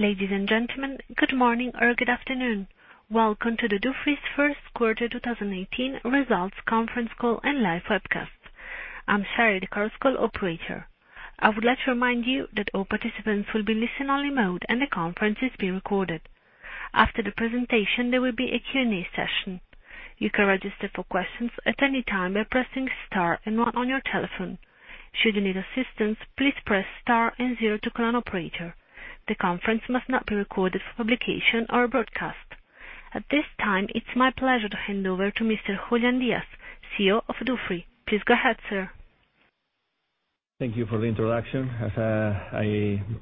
Ladies and gentlemen, good morning or good afternoon. Welcome to Dufry's first quarter 2018 results conference call and live webcast. I'm Sherry, the Chorus Call operator. I would like to remind you that all participants will be listen-only mode and the conference is being recorded. After the presentation, there will be a Q&A session. You can register for questions at any time by pressing star and one on your telephone. Should you need assistance, please press star and zero to connect to an operator. The conference must not be recorded for publication or broadcast. At this time, it's my pleasure to hand over to Mr. Julián Díaz, CEO of Dufry. Please go ahead, sir. Thank you for the introduction. As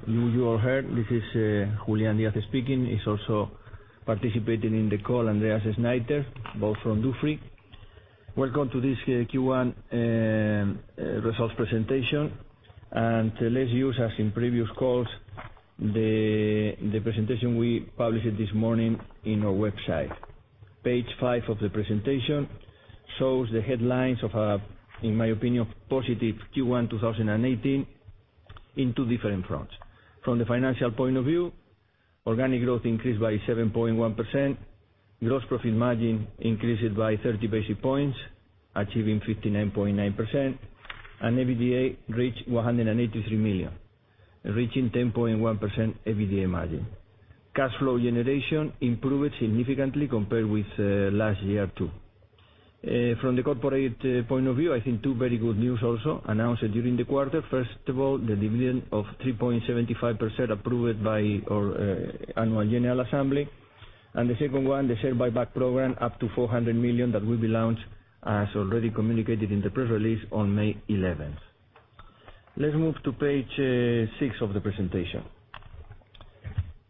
you all heard, this is Julián Díaz speaking. Also participating in the call, Andreas Schneiter, both from Dufry. Welcome to this Q1 results presentation. Let's use, as in previous calls, the presentation we published this morning on our website. Page five of the presentation shows the headlines of, in my opinion, positive Q1 2018 in two different fronts. From the financial point of view, organic growth increased by 7.1%, gross profit margin increased by 30 basis points, achieving 59.9%, and EBITDA reached 183 million, reaching 10.1% EBITDA margin. Cash flow generation improved significantly compared with last year, too. From the corporate point of view, I think two very good news also announced during the quarter. First of all, the dividend of 3.75% approved by our annual general assembly. The second one, the share buyback program up to 400 million, that will be launched, as already communicated in the press release, on May 11th. Let's move to page six of the presentation.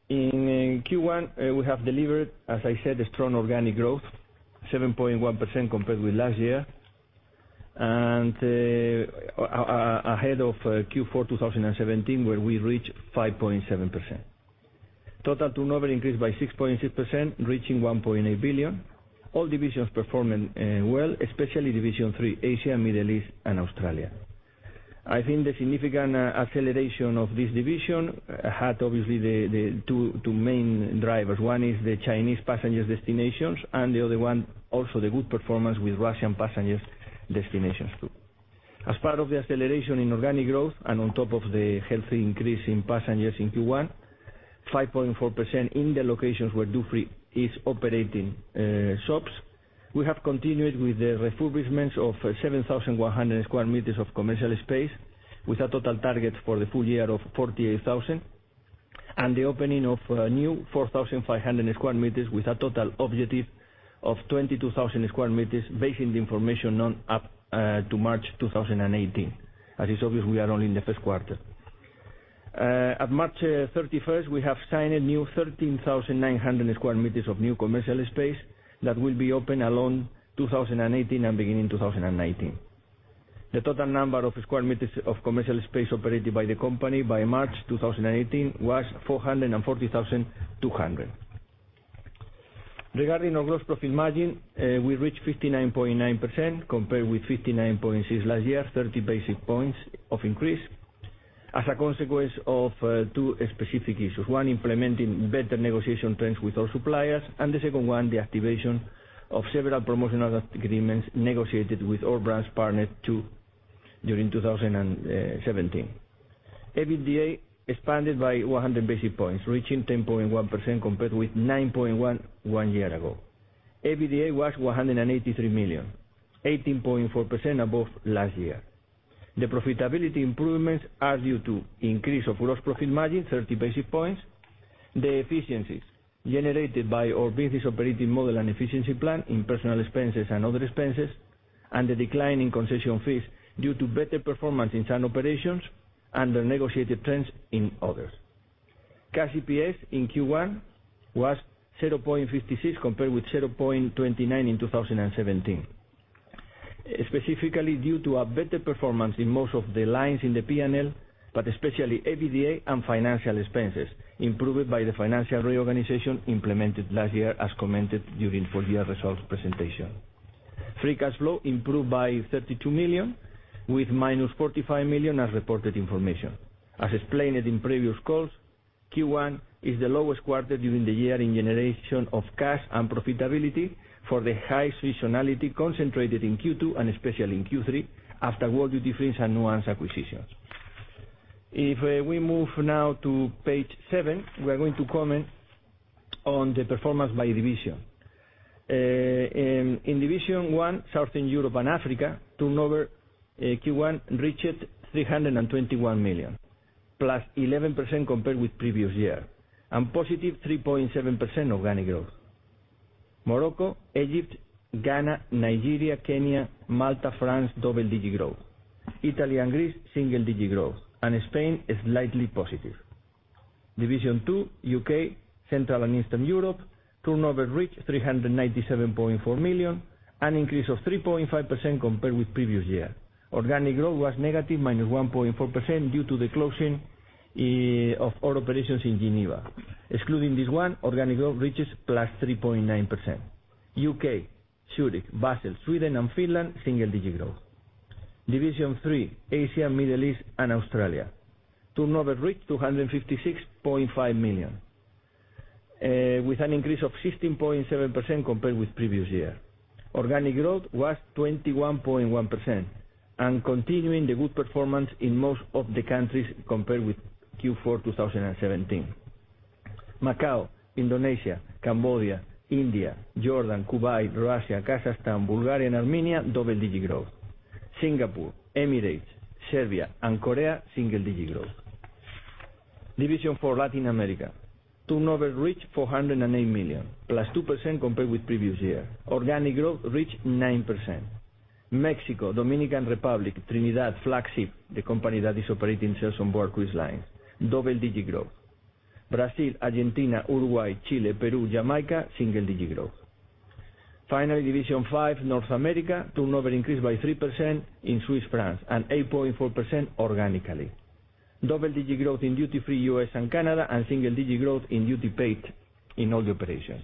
In Q1, we have delivered, as I said, a strong organic growth, 7.1% compared with last year, and ahead of Q4 2017, where we reached 5.7%. Total turnover increased by 6.6%, reaching 1.8 billion. All divisions performing well, especially division 3, Asia, Middle East and Australia. I think the significant acceleration of this division had obviously the two main drivers. One is the Chinese passenger destinations, and the other one, also the good performance with Russian passenger destinations, too. As part of the acceleration in organic growth and on top of the healthy increase in passengers in Q1, 5.4% in the locations where Dufry is operating shops. We have continued with the refurbishments of 7,100 sq m of commercial space, with a total target for the full year of 48,000 sq m, and the opening of new 4,500 sq m with a total objective of 22,000 sq m, basing the information on up to March 2018. As is obvious, we are only in the first quarter. At March 31st, we have signed a new 13,900 sq m of new commercial space that will be open along 2018 and beginning 2019. The total number of square meters of commercial space operated by the company by March 2018 was 440,200 sq m. Regarding our gross profit margin, we reached 59.9% compared with 59.6% last year, 30 basis points of increase as a consequence of two specific issues. One, implementing better negotiation terms with our suppliers, and the second one, the activation of several promotional agreements negotiated with all brands partnered during 2017. EBITDA expanded by 100 basis points, reaching 10.1% compared with 9.1% one year ago. EBITDA was 183 million, 18.4% above last year. The profitability improvements are due to increase of gross profit margin, 30 basis points, the efficiencies generated by our business operating model and efficiency plan in personal expenses and other expenses, and the decline in concession fees due to better performance in sand operations and the negotiated terms in others. Cash EPS in Q1 was 0.56 compared with 0.29 in 2017. Specifically due to a better performance in most of the lines in the P&L, but especially EBITDA and financial expenses improved by the financial reorganization implemented last year, as commented during full year results presentation. Free cash flow improved by 32 million, with minus 45 million as reported information. As explained in previous calls, Q1 is the lowest quarter during the year in generation of cash and profitability for the highest seasonality concentrated in Q2 and especially in Q3 after World Duty Free and Nuance acquisitions. If we move now to page seven, we are going to comment on the performance by division. In division one, Southern Europe and Africa, turnover Q1 reached 321 million, plus 11% compared with previous year, and positive 3.7% organic growth. Morocco, Egypt, Ghana, Nigeria, Kenya, Malta, France, double-digit growth. Italy and Greece, single-digit growth, and Spain is slightly positive. Division two, U.K., Central and Eastern Europe, turnover reached 397.4 million, an increase of 3.5% compared with previous year. Organic growth was negative -1.4% due to the closing of all operations in Geneva. Excluding this one, organic growth reaches plus 3.9%. U.K., Zurich, Basel, Sweden and Finland, single-digit growth. Division three, Asia, Middle East, and Australia. Turnover reached 256.5 million, with an increase of 16.7% compared with the previous year. Organic growth was 21.1%, and continuing the good performance in most of the countries compared with Q4 2017. Macau, Indonesia, Cambodia, India, Jordan, Kuwait, Russia, Kazakhstan, Bulgaria, and Armenia, double-digit growth. Singapore, Emirates, Serbia, and Korea, single-digit growth. Division four, Latin America. Turnover reached 409 million, plus 2% compared with the previous year. Organic growth reached 9%. Mexico, Dominican Republic, Trinidad, Flagship, the company that is operating sales on board cruise lines, double-digit growth. Brazil, Argentina, Uruguay, Chile, Peru, Jamaica, single-digit growth. Finally, division five, North America, turnover increased by 3% in CHF and 8.4% organically. Double-digit growth in duty-free U.S. and Canada, and single-digit growth in duty paid in all the operations.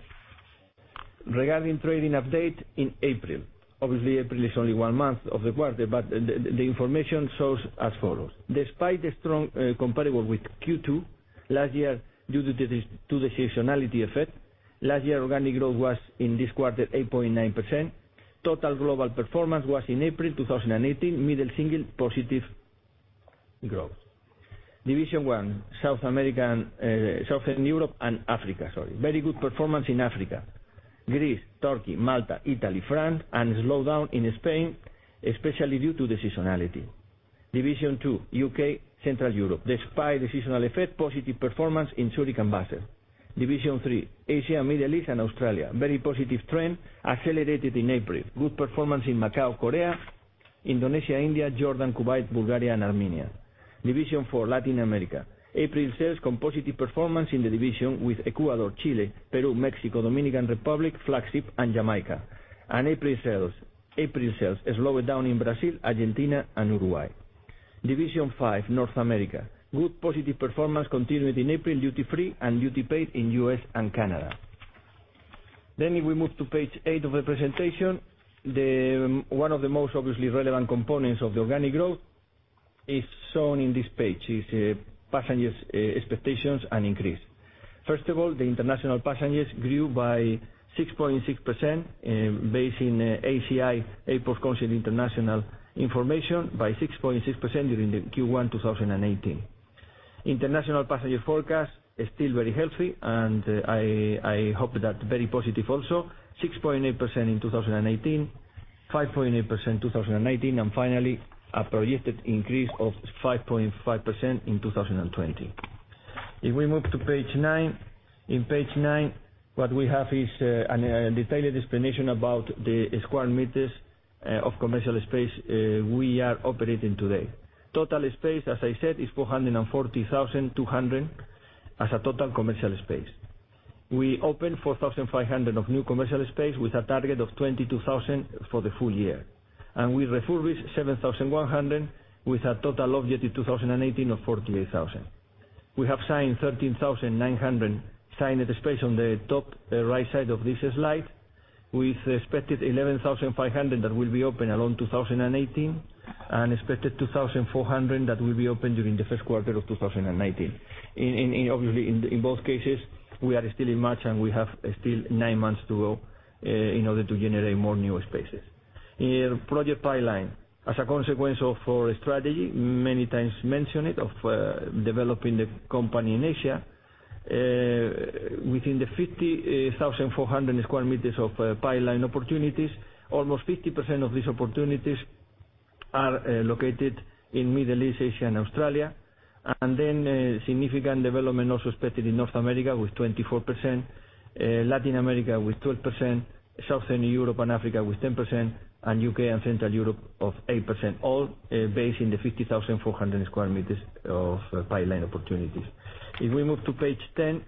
Regarding trading update in April. Obviously, April is only one month of the quarter, but the information shows as follows. Despite the strong comparable with Q2 last year, due to the seasonality effect, last year organic growth was, in this quarter, 8.9%. Total global performance was, in April 2018, middle single positive growth. Division one, Southern Europe and Africa. Very good performance in Africa. Greece, Turkey, Malta, Italy, France, and a slowdown in Spain, especially due to seasonality. Division two, U.K., Central Europe. Despite the seasonal effect, positive performance in Zurich and Basel. Division three, Asia, Middle East, and Australia. Very positive trend accelerated in April. Good performance in Macau, Korea, Indonesia, India, Jordan, Kuwait, Bulgaria, and Armenia. Division four, Latin America. April sales composite performance in the division, with Ecuador, Chile, Peru, Mexico, Dominican Republic, Flagship, and Jamaica, and April sales slowed down in Brazil, Argentina, and Uruguay. Division five, North America. We move to page 8 of the presentation. One of the most obviously relevant components of the organic growth is shown on this page, is passengers' expectations and increase. First of all, the international passengers grew by 6.6%, based in ACI, Airports Council International information, by 6.6% during the Q1 2018. International passenger forecast is still very healthy, and I hope that very positive also, 6.8% in 2018, 5.8% in 2019, and finally, a projected increase of 5.5% in 2020. We move to page 9. Page 9, what we have is a detailed explanation about the square meters of commercial space we are operating today. Total space, as I said, is 440,200 as a total commercial space. We opened 4,500 of new commercial space with a target of 22,000 for the full year. We refurbished 7,100 with a total objective 2018 of 48,000. We have signed 13,900 signed space on the top right side of this slide, with expected 11,500 that will be open along 2018 and expected 2,400 that will be opened during the first quarter of 2019. Obviously, in both cases, we are still in March, and we have still nine months to go in order to generate more new spaces. Project pipeline. As a consequence of our strategy, many times mentioned it, of developing the company in Asia, within the 50,400 square meters of pipeline opportunities, almost 50% of these opportunities are located in Middle East, Asia, and Australia, a significant development also expected in North America with 24%, Latin America with 12%, Southern Europe and Africa with 10%, and U.K. and Central Europe of 8%, all based in the 50,400 square meters of pipeline opportunities. We move to page 10.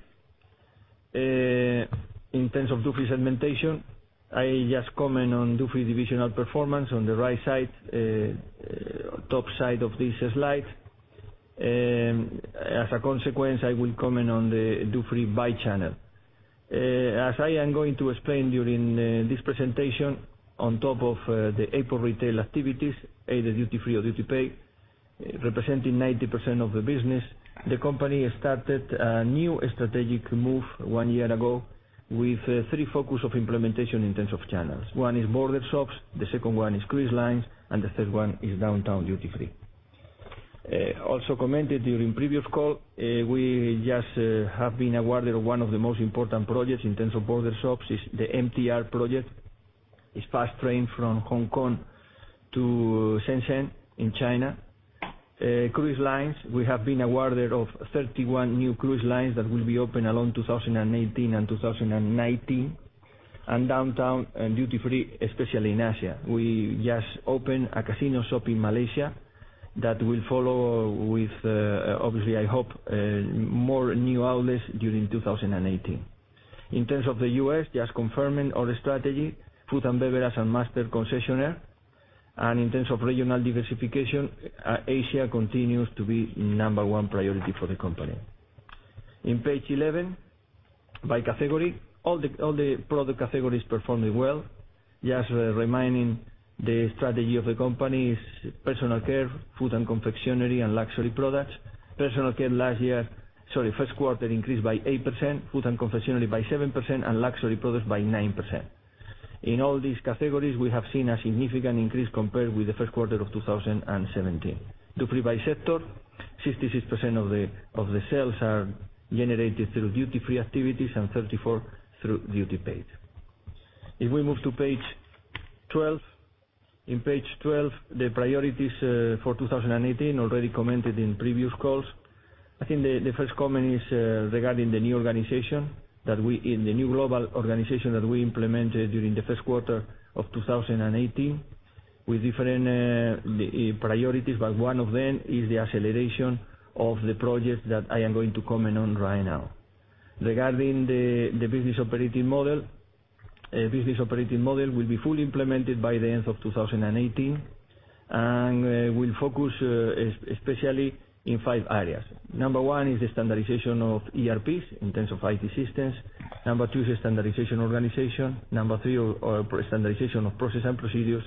Terms of duty segmentation, I just comment on duty division performance on the right side, top side of this slide. As a consequence, I will comment on the duty free by channel. As I am going to explain during this presentation, on top of the April retail activities, either duty free or duty paid, representing 90% of the business, the company started a new strategic move one year ago with three focus of implementation in terms of channels. One is border shops, the second one is cruise lines, and the third one is downtown duty free. Also commented during the previous call, we just have been awarded one of the most important projects in terms of border shops is the MTR project, is fast train from Hong Kong to Shenzhen in China. Cruise lines, we have been awarded 31 new cruise lines that will be open along 2018 and 2019, and downtown duty free, especially in Asia. We just opened a casino shop in Malaysia that will follow with, obviously, I hope, more new outlets during 2018. In terms of the U.S., just confirming our strategy, food and beverage and master concessionaire. In terms of regional diversification, Asia continues to be number one priority for the company. In page 11, by category, all the product categories performing well. Just reminding, the strategy of the company is personal care, food and confectionery, and luxury products. Personal care first quarter increased by 8%, food and confectionery by 7%, and luxury products by 9%. In all these categories, we have seen a significant increase compared with the first quarter of 2017. Duty free by sector, 66% of the sales are generated through duty-free activities and 34% through duty paid. If we move to page 12. In page 12, the priorities for 2018, already commented in previous calls. I think the first comment is regarding the new global organization that we implemented during the first quarter of 2018 with different priorities. One of them is the acceleration of the project that I am going to comment on right now. Regarding the business operating model, business operating model will be fully implemented by the end of 2018 and will focus especially in 5 areas. Number 1 is the standardization of ERPs in terms of IT systems. Number 2 is standardization organization. Number 3, standardization of process and procedures.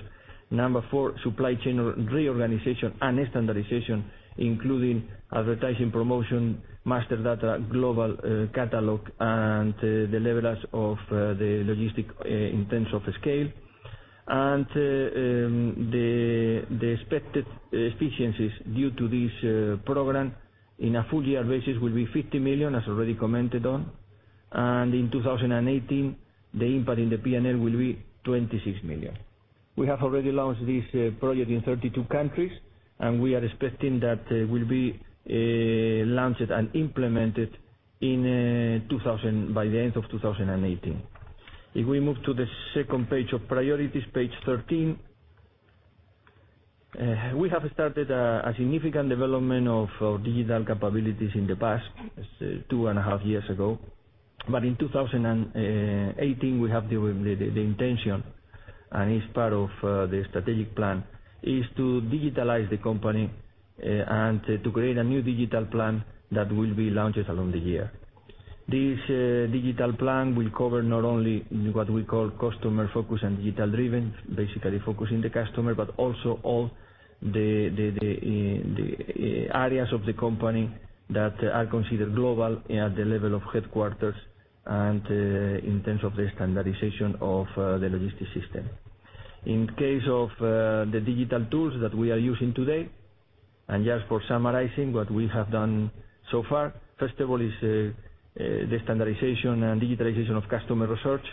Number 4, supply chain reorganization and standardization, including advertising, promotion, master data, global catalog, and the leverage of the logistic in terms of scale. The expected efficiencies due to this program in a full year basis will be 50 million, as already commented on. In 2018, the impact in the P&L will be 26 million. We have already launched this project in 32 countries, and we are expecting that it will be launched and implemented by the end of 2018. If we move to the second page of priorities, page 13. We have started a significant development of digital capabilities in the past, two and a half years ago. In 2018, we have the intention, and is part of the strategic plan, is to digitalize the company and to create a new digital plan that will be launched along the year. This digital plan will cover not only what we call customer focus and digital-driven, basically focusing the customer, but also all the areas of the company that are considered global at the level of headquarters and in terms of the standardization of the logistics system. In case of the digital tools that we are using today, just for summarizing what we have done so far, first of all is the standardization and digitalization of customer research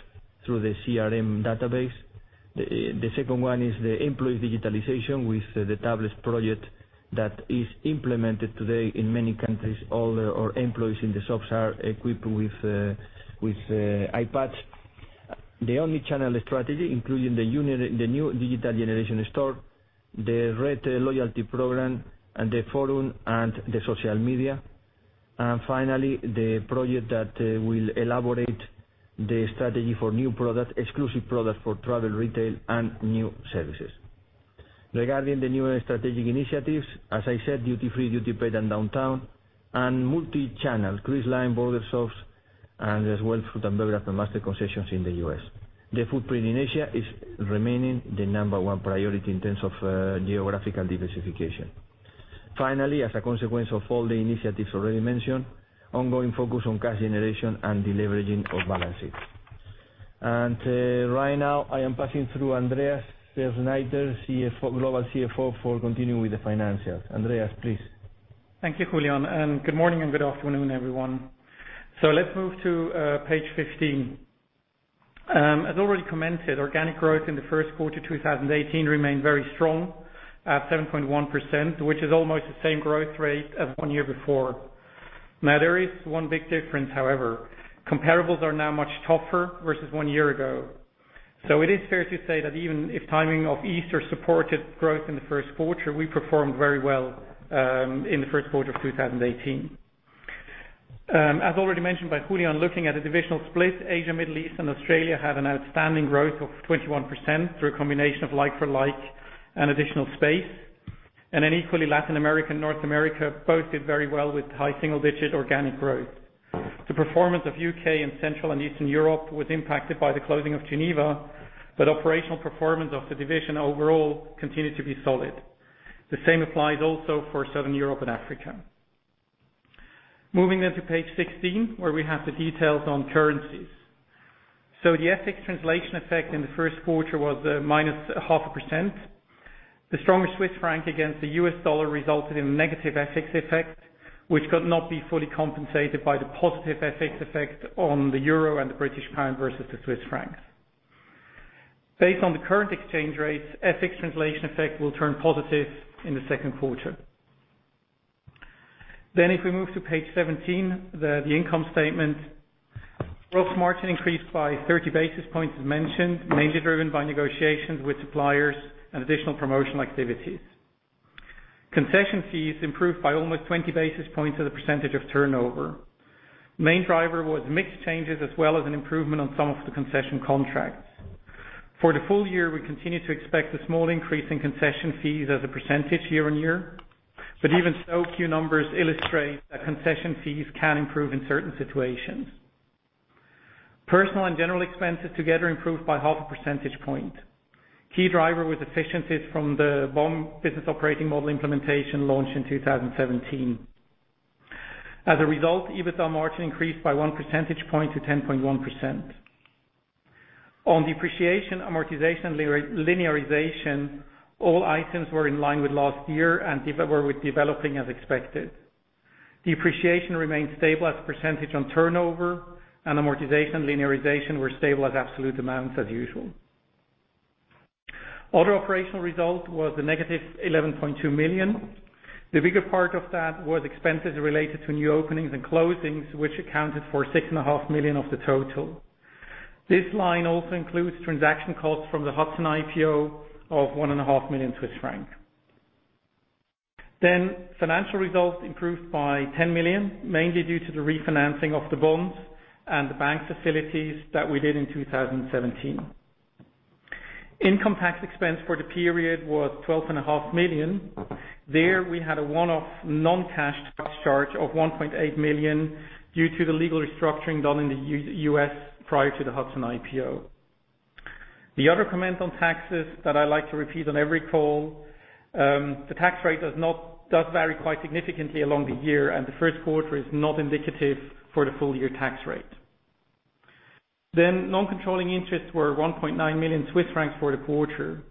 through the CRM database. The second one is the employee digitalization with the tablets project that is implemented today in many countries. All our employees in the shops are equipped with iPads. The only channel strategy, including the new digital generation store, the Red loyalty program, the Forum and the social media. Finally, the project that will elaborate the strategy for new products, exclusive products for travel retail, and new services. Regarding the new strategic initiatives, as I said, duty free, duty paid and downtown, multichannel, cruise line, border shops, and as well food and beverage and master concessions in the U.S. The footprint in Asia is remaining the number 1 priority in terms of geographical diversification. Finally, as a consequence of all the initiatives already mentioned, ongoing focus on cash generation and deleveraging of balance sheet. Right now, I am passing through Andreas Schneiter, Global CFO, for continuing with the financials. Andreas, please. Thank you, Julián, and good morning and good afternoon, everyone. Let's move to page 15. As already commented, organic growth in the first quarter 2018 remained very strong at 7.1%, which is almost the same growth rate as one year before. There is one big difference, however. Comparables are now much tougher versus one year ago. It is fair to say that even if timing of Easter supported growth in the first quarter, we performed very well in the first quarter of 2018. As already mentioned by Julián, looking at a divisional split, Asia, Middle East and Australia had an outstanding growth of 21% through a combination of like-for-like and additional space. Equally, Latin America and North America both did very well with high single-digit organic growth. The performance of U.K. and Central and Eastern Europe was impacted by the closing of Geneva, operational performance of the division overall continued to be solid. The same applies also for Southern Europe and Africa. Moving to page 16, where we have the details on currencies. The FX translation effect in the first quarter was -0.5%. The stronger Swiss franc against the US dollar resulted in a negative FX effect, which could not be fully compensated by the positive FX effect on the euro and the British pound versus the Swiss franc. Based on the current exchange rates, FX translation effect will turn positive in the second quarter. If we move to page 17, the income statement. Gross margin increased by 30 basis points as mentioned, mainly driven by negotiations with suppliers and additional promotional activities. Concession fees improved by almost 20 basis points as a percentage of turnover. Main driver was mix changes as well as an improvement on some of the concession contracts. For the full year, we continue to expect a small increase in concession fees as a percentage year-on-year. Even so, Q numbers illustrate that concession fees can improve in certain situations. Personal and general expenses together improved by half a percentage point. Key driver was efficiencies from the BOM, business operating model implementation launched in 2017. As a result, EBITDA margin increased by one percentage point to 10.1%. On depreciation, amortization, and linearization, all items were in line with last year and were developing as expected. Depreciation remained stable as a percentage on turnover, and amortization and linearization were stable as absolute amounts as usual. Other operational result was a negative 11.2 million. The bigger part of that was expenses related to new openings and closings, which accounted for 6.5 million of the total. This line also includes transaction costs from the Hudson IPO of 1.5 million Swiss franc. Financial results improved by 10 million, mainly due to the refinancing of the bonds and the bank facilities that we did in 2017. Income tax expense for the period was 12.5 million. There we had a one-off non-cash charge of 1.8 million due to the legal restructuring done in the U.S. prior to the Hudson IPO. The other comment on taxes that I like to repeat on every call, the tax rate does vary quite significantly along the year, and the first quarter is not indicative for the full year tax rate. Non-controlling interests were 1.9 million Swiss francs for the quarter.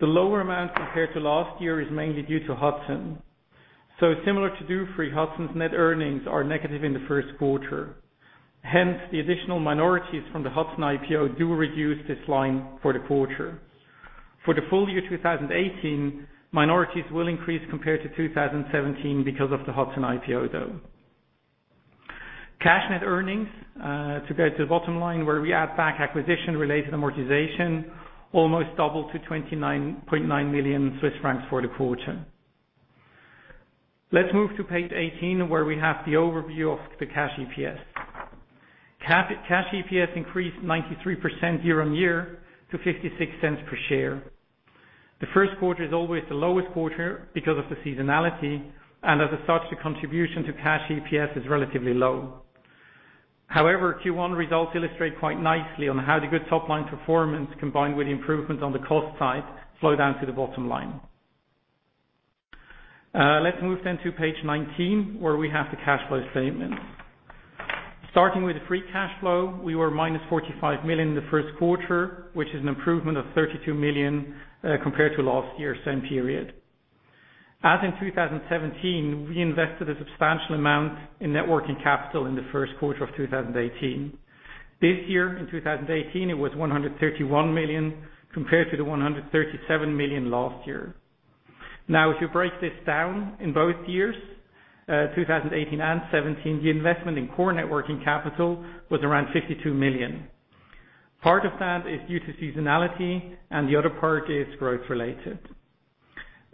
The lower amount compared to last year is mainly due to Hudson. Similar to Dufry, Hudson's net earnings are negative in the first quarter. Hence, the additional minorities from the Hudson IPO do reduce this line for the quarter. For the full year 2018, minorities will increase compared to 2017 because of the Hudson IPO, though. Cash net earnings, to go to the bottom line where we add back acquisition-related amortization, almost doubled to 29.9 million Swiss francs for the quarter. Let's move to page 18 where we have the overview of the Cash EPS. Cash EPS increased 93% year-on-year to 0.56 per share. The first quarter is always the lowest quarter because of the seasonality, and as such, the contribution to Cash EPS is relatively low. Q1 results illustrate quite nicely on how the good top-line performance, combined with the improvements on the cost side, flow down to the bottom line. Let's move to page 19, where we have the cash flow statement. Starting with the free cash flow, we were -45 million in the first quarter, which is an improvement of 32 million compared to last year's same period. As in 2017, we invested a substantial amount in net working capital in the first quarter of 2018. This year, in 2018, it was 131 million compared to the 137 million last year. If you break this down in both years, 2018 and 2017, the investment in core networking capital was around 52 million. Part of that is due to seasonality, and the other part is growth related.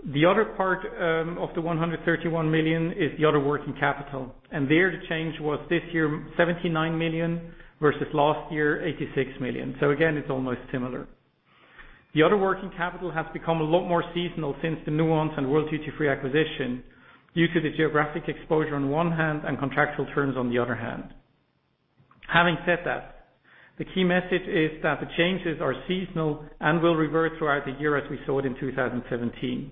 The other part of the 131 million is the other working capital, and there the change was this year, 79 million versus last year, 86 million. Again, it's almost similar. The other working capital has become a lot more seasonal since the Nuance and World Duty Free acquisition due to the geographic exposure on one hand and contractual terms on the other hand. Having said that, the key message is that the changes are seasonal and will revert throughout the year as we saw it in 2017.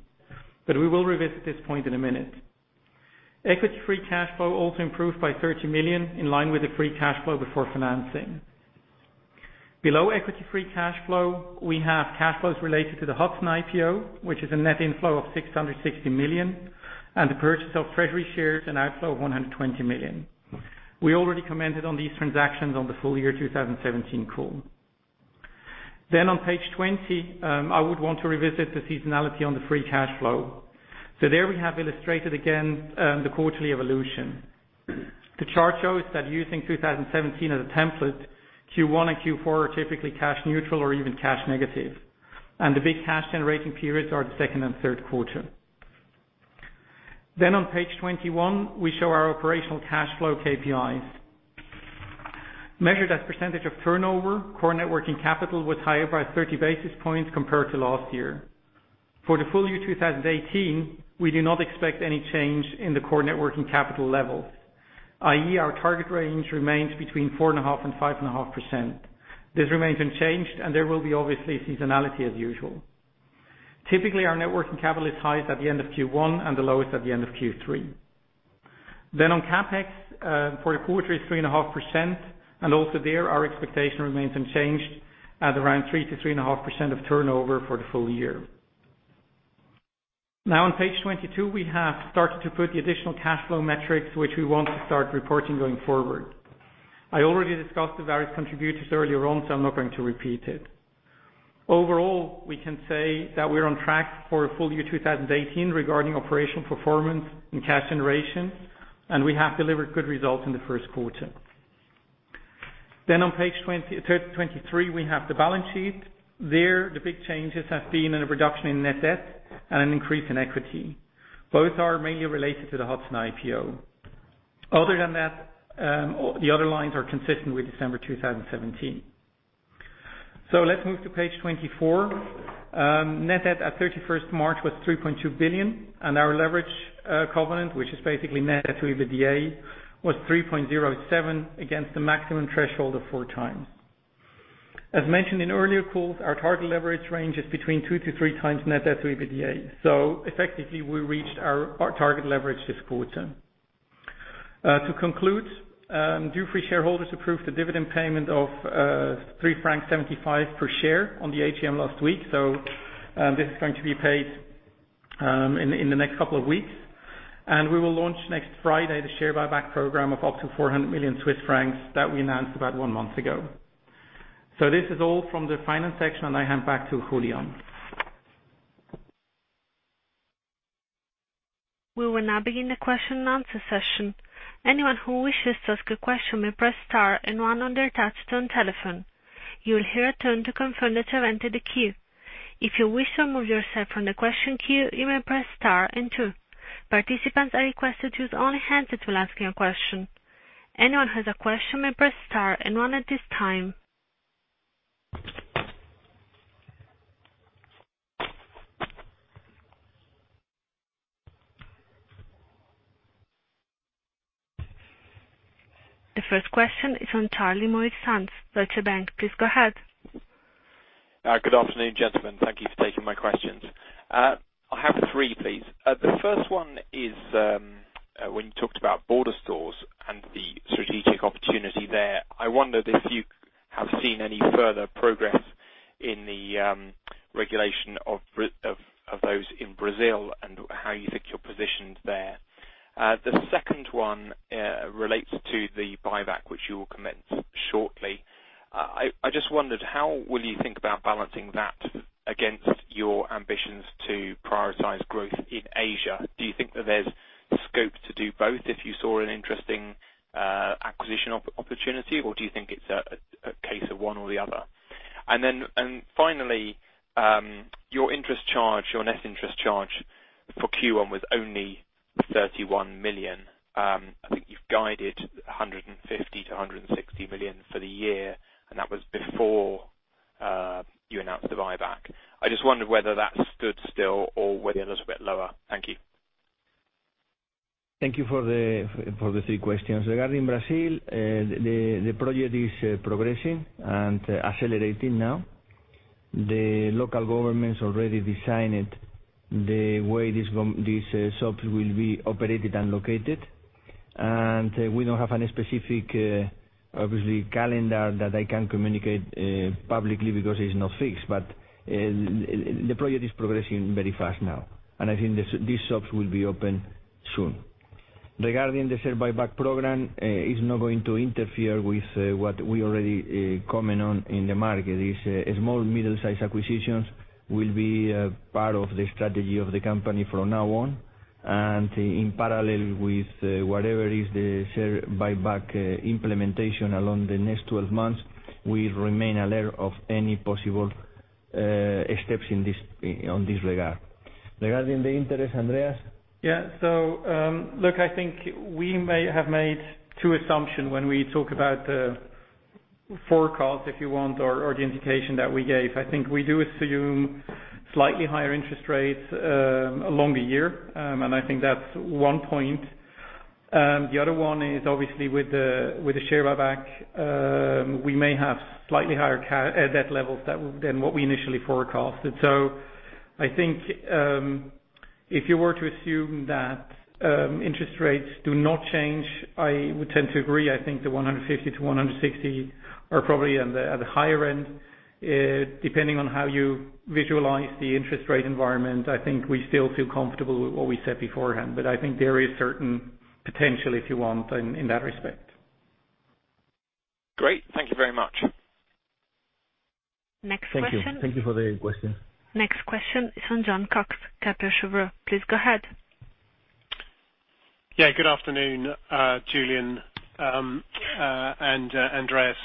We will revisit this point in a minute. Equity free cash flow also improved by 30 million, in line with the free cash flow before financing. Below equity free cash flow, we have cash flows related to the Hudson IPO, which is a net inflow of 660 million, and the purchase of treasury shares, an outflow of 120 million. We already commented on these transactions on the full year 2017 call. On page 20, I would want to revisit the seasonality on the free cash flow. There we have illustrated again the quarterly evolution. The chart shows that using 2017 as a template, Q1 and Q4 are typically cash neutral or even cash negative, and the big cash generating periods are the second and third quarter. On page 21, we show our operational cash flow KPIs. Measured as percentage of turnover, core networking capital was higher by 30 basis points compared to last year. For the full year 2018, we do not expect any change in the core networking capital levels, i.e., our target range remains between 4.5% and 5.5%. This remains unchanged, there will be obviously seasonality as usual. Typically, our networking capital is highest at the end of Q1 and the lowest at the end of Q3. On CapEx, for the quarter it is 3.5%, also there, our expectation remains unchanged at around 3% to 3.5% of turnover for the full year. On page 22, we have started to put the additional cash flow metrics which we want to start reporting going forward. I already discussed the various contributors earlier on, I am not going to repeat it. Overall, we can say that we are on track for full year 2018 regarding operational performance and cash generation, we have delivered good results in the first quarter. On page 23, we have the balance sheet. There, the big changes have been in a reduction in net debt and an increase in equity. Both are mainly related to the Hudson IPO. Other than that, the other lines are consistent with December 2017. Let us move to page 24. Net debt at 31st March was 3.2 billion, our leverage covenant, which is basically net debt to EBITDA, was 3.07 against the maximum threshold of 4 times. As mentioned in earlier calls, our target leverage range is between two to three times net debt to EBITDA. Effectively, we reached our target leverage this quarter. To conclude, Dufry shareholders approved a dividend payment of 3.75 francs per share on the AGM last week. This is going to be paid in the next couple of weeks. We will launch next Friday the share buyback program of up to 400 million Swiss francs that we announced about one month ago. This is all from the finance section, I hand back to Julián. We will now begin the question and answer session. Anyone who wishes to ask a question may press star and one on their touch-tone telephone. You will hear a tone to confirm that you have entered the queue. If you wish to remove yourself from the question queue, you may press star and two. Participants are requested to use only hands to ask your question. Anyone who has a question may press star and one at this time. The first question is from Charles Maurice-Sans, Deutsche Bank. Please go ahead. Good afternoon, gentlemen. Thank you for taking my questions. I have three, please. The first one is, when you talked about border stores and the strategic opportunity there, I wondered if you have seen any further progress in the regulation of those in Brazil and how you think you're positioned there. The second one relates to the buyback which you will commence shortly. I just wondered how will you think about balancing that against your ambitions to prioritize growth in Asia? Do you think that there's scope to do both if you saw an interesting acquisition opportunity, or do you think it's a case of one or the other? Finally, your interest charge, your net interest charge for Q1 was only 31 million. I think you've guided 150 million-160 million for the year, and that was before you announced the buyback. I just wondered whether that stood still or whether you're a little bit lower. Thank you. Thank you for the three questions. Regarding Brazil, the project is progressing and accelerating now. The local government's already designed the way these shops will be operated and located. We don't have any specific, obviously, calendar that I can communicate publicly because it's not fixed. The project is progressing very fast now, and I think these shops will be open soon. Regarding the share buyback program, it's not going to interfere with what we already comment on in the market. These small middle-size acquisitions will be part of the strategy of the company from now on, and in parallel with whatever is the share buyback implementation along the next 12 months, we remain alert of any possible steps on this regard. Regarding the interest, Andreas? I think we may have made two assumptions when we talk about the forecast, if you want, or the indication that we gave. I think we do assume slightly higher interest rates along the year. I think that's one point. The other one is obviously with the share buyback, we may have slightly higher debt levels than what we initially forecasted. I think, if you were to assume that interest rates do not change, I would tend to agree. I think the 150-160 are probably at the higher end. Depending on how you visualize the interest rate environment, I think we still feel comfortable with what we said beforehand, but I think there is certain potential, if you want, in that respect. Great. Thank you very much. Next question. Thank you. Thank you for the question. Next question is from Jon Cox, Kepler Cheuvreux. Please go ahead. Good afternoon, Julián and Andreas.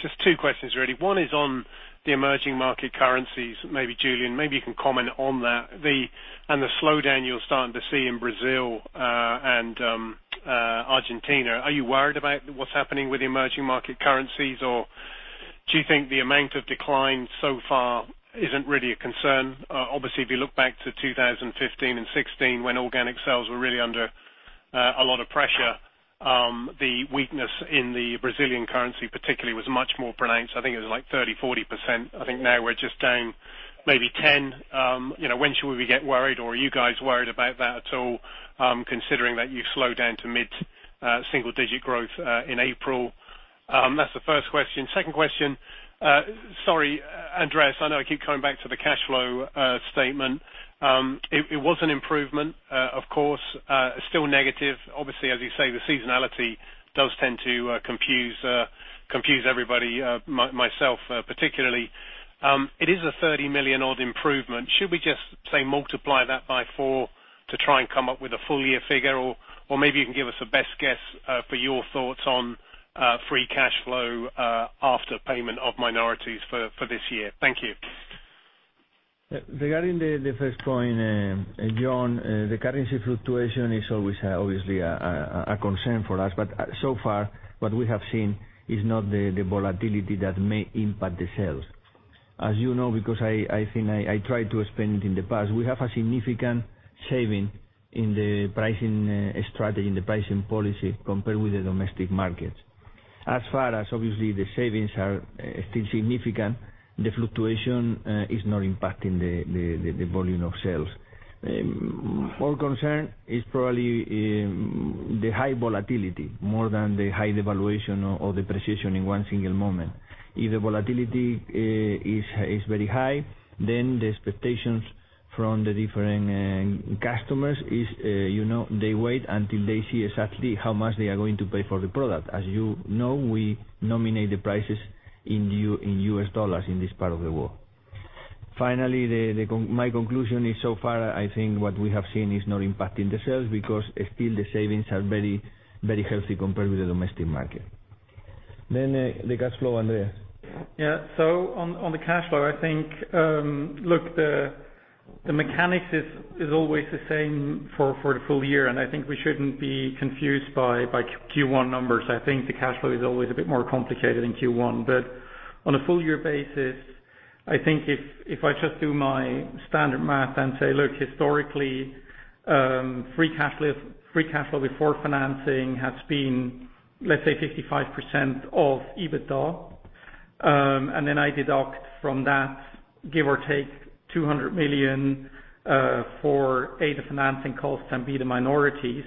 Just two questions really. One is on the emerging market currencies. Maybe Julián, maybe you can comment on that. And the slowdown you're starting to see in Brazil and Argentina. Are you worried about what is happening with the emerging market currencies, or do you think the amount of decline so far is not really a concern? Obviously, if you look back to 2015 and 2016, when organic sales were really under a lot of pressure, the weakness in the Brazilian currency particularly was much more pronounced. I think it was like 30%-40%. I think now we are just down maybe 10%. When should we get worried, or are you guys worried about that at all, considering that you slowed down to mid-single digit growth in April? That is the first question. Second question, sorry, Andreas, I know I keep coming back to the cash flow statement. It was an improvement, of course, still negative. Obviously, as you say, the seasonality does tend to confuse everybody, myself particularly. It is a 30 million-odd improvement. Should we just, say, multiply that by four to try and come up with a full year figure? Or maybe you can give us a best guess for your thoughts on free cash flow after payment of minorities for this year. Thank you. The first point, Jon, the currency fluctuation is always obviously a concern for us, but so far what we have seen is not the volatility that may impact the sales. As you know, because I think I tried to explain it in the past, we have a significant saving in the pricing strategy and the pricing policy compared with the domestic markets. As far as, obviously, the savings are still significant, the fluctuation is not impacting the volume of sales. More concern is probably the high volatility more than the high devaluation or depreciation in one single moment. If the volatility is very high, then the expectations from the different customers is they wait until they see exactly how much they are going to pay for the product. As you know, we nominate the prices in U.S. dollars in this part of the world. My conclusion is so far, I think what we have seen is not impacting the sales because still the savings are very healthy compared with the domestic market. Then the cash flow, Andreas. On the cash flow, I think, look, the mechanics is always the same for the full year, and I think we shouldn't be confused by Q1 numbers. I think the cash flow is always a bit more complicated in Q1. On a full year basis, I think if I just do my standard math and say, look, historically, free cash flow before financing has been, let's say, 55% of EBITDA, and then I deduct from that, give or take, 200 million for, A, the financing costs and, B, the minorities.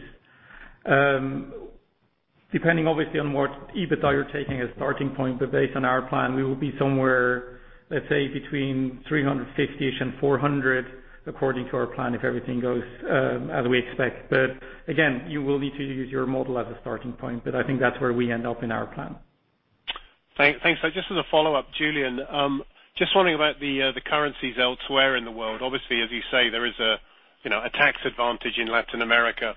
Depending obviously on what EBITDA you're taking as starting point, based on our plan, we will be somewhere, let's say, between 350-ish and 400 according to our plan, if everything goes as we expect. Again, you will need to use your model as a starting point, I think that's where we end up in our plan. Thanks. Just as a follow-up, Julián, just wondering about the currencies elsewhere in the world. Obviously, as you say, there is a tax advantage in Latin America,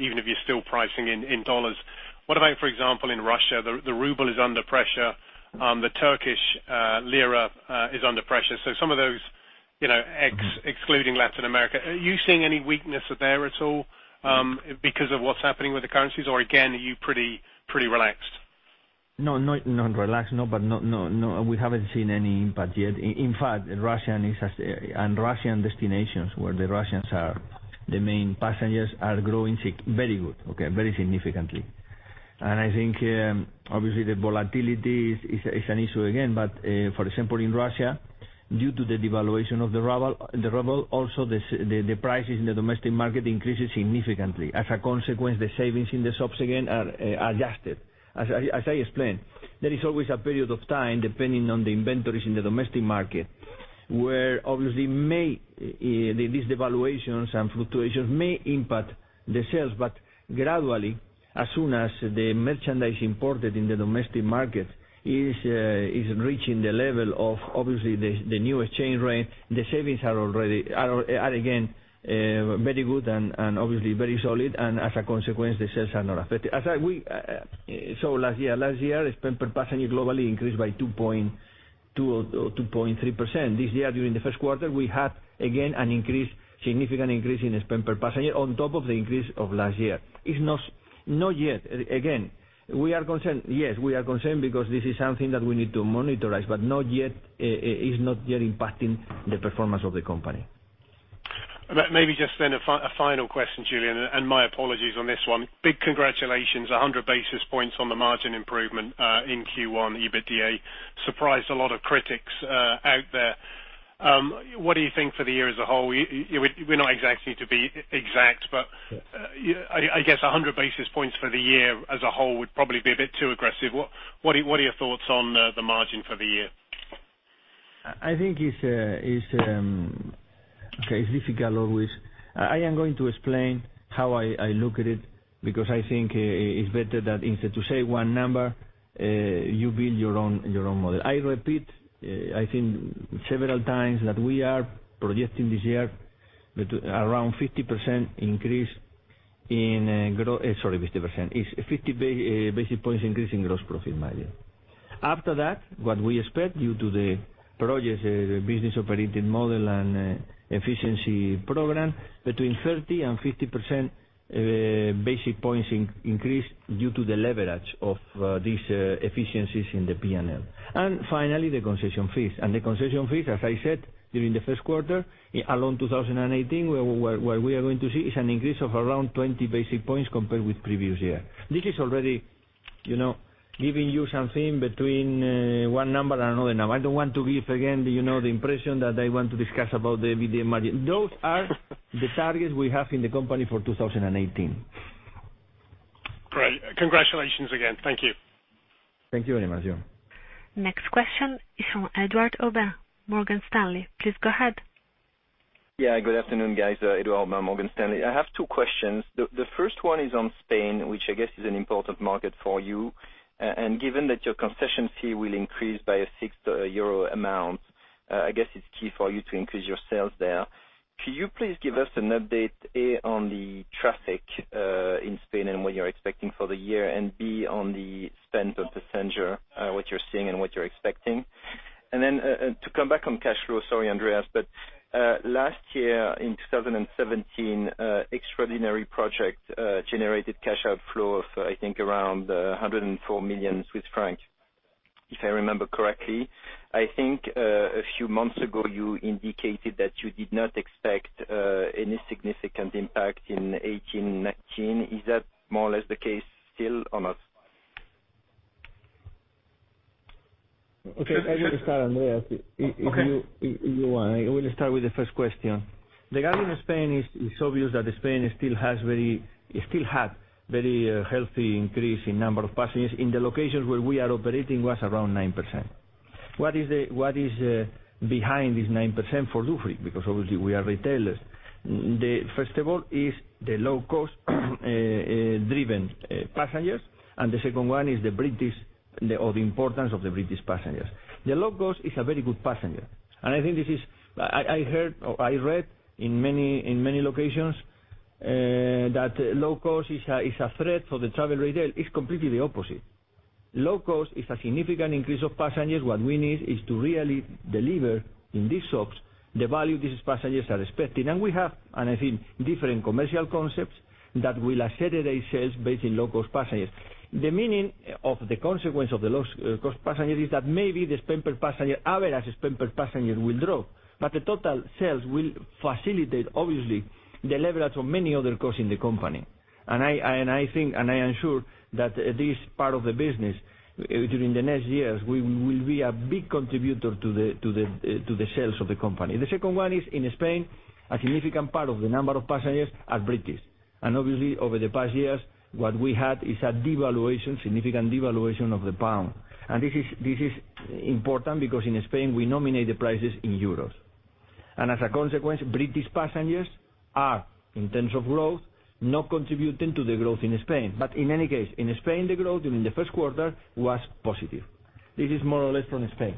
even if you're still pricing in dollars. What about, for example, in Russia? The ruble is under pressure. The Turkish lira is under pressure. Some of those, excluding Latin America, are you seeing any weakness there at all because of what's happening with the currencies? Or again, are you pretty relaxed? No, not relaxed. No, we haven't seen any impact yet. In fact, Russia and Russian destinations, where the Russians are the main passengers, are growing very good, very significantly. I think, obviously, the volatility is an issue again. For example, in Russia, due to the devaluation of the ruble, also the prices in the domestic market increases significantly. As a consequence, the savings in the subs, again, are adjusted. As I explained, there is always a period of time, depending on the inventories in the domestic market, where obviously these devaluations and fluctuations may impact the sales. Gradually, as soon as the merchandise imported in the domestic market is reaching the level of obviously the new exchange rate, the savings are again very good and obviously very solid. As a consequence, the sales are not affected. Last year, spend per passenger globally increased by 2.2% or 2.3%. This year, during the first quarter, we had, again, a significant increase in spend per passenger on top of the increase of last year. Again, we are concerned, yes. We are concerned because this is something that we need to monitor, but it's not yet impacting the performance of the company. Maybe just then a final question, Julián, and my apologies on this one. Big congratulations. 100 basis points on the margin improvement in Q1 EBITDA. Surprised a lot of critics out there. What do you think for the year as a whole? We're not asking you to be exact, but I guess 100 basis points for the year as a whole would probably be a bit too aggressive. What are your thoughts on the margin for the year? I think it's difficult always. I am going to explain how I look at it because I think it's better that instead to say one number, you build your own model. I repeat, I think several times that we are projecting this year around 50 basis points increase in gross profit margin. After that, what we expect due to the projects, the business operating model, and efficiency program, between 30 and 50 basis points increase due to the leverage of these efficiencies in the P&L. Finally, the concession fees. The concession fees, as I said, during the first quarter, along 2018, what we are going to see is an increase of around 20 basis points compared with previous year. This is already giving you something between one number and another number. I don't want to give, again, the impression that I want to discuss about the EBITDA margin. Those are the targets we have in the company for 2018. Great. Congratulations again. Thank you. Thank you very much, Jon. Next question is from Eduard Oba, Morgan Stanley. Please go ahead. Yeah, good afternoon, guys. Eduard, Morgan Stanley. I have two questions. The first one is on Spain, which I guess is an important market for you. Given that your concession fee will increase by a fixed EUR amount, I guess it's key for you to increase your sales there. To come back on cash flow, sorry, Andreas, but last year in 2017, extraordinary project generated cash outflow of, I think, around 104 million Swiss francs, if I remember correctly. I think a few months ago, you indicated that you did not expect any significant impact in 2018 and 2019. Is that more or less the case still or not? Okay. I will start, Andreas. Okay If you want. I will start with the first question. Regarding Spain, it's obvious that Spain still had very healthy increase in number of passengers. In the locations where we are operating was around 9%. What is behind this 9% for Dufry? Obviously, we are retailers. First of all is the low cost driven passengers, and the second one is the importance of the British passengers. The low cost is a very good passenger. I read in many locations that low cost is a threat for the travel retail. It's completely the opposite. Low cost is a significant increase of passengers. What we need is to really deliver in these shops the value these passengers are expecting. We have, and I think, different commercial concepts that will accelerate sales based in low cost passengers. The meaning of the consequence of the low cost passenger is that maybe the average spend per passenger will drop, but the total sales will facilitate, obviously, the leverage of many other costs in the company. I am sure that this part of the business, during the next years, will be a big contributor to the sales of the company. The second one is, in Spain, a significant part of the number of passengers are British. Obviously, over the past years, what we had is a significant devaluation of the pound. This is important because in Spain, we nominate the prices in EUR. As a consequence, British passengers are, in terms of growth, not contributing to the growth in Spain. In any case, in Spain, the growth during the first quarter was positive. This is more or less from Spain.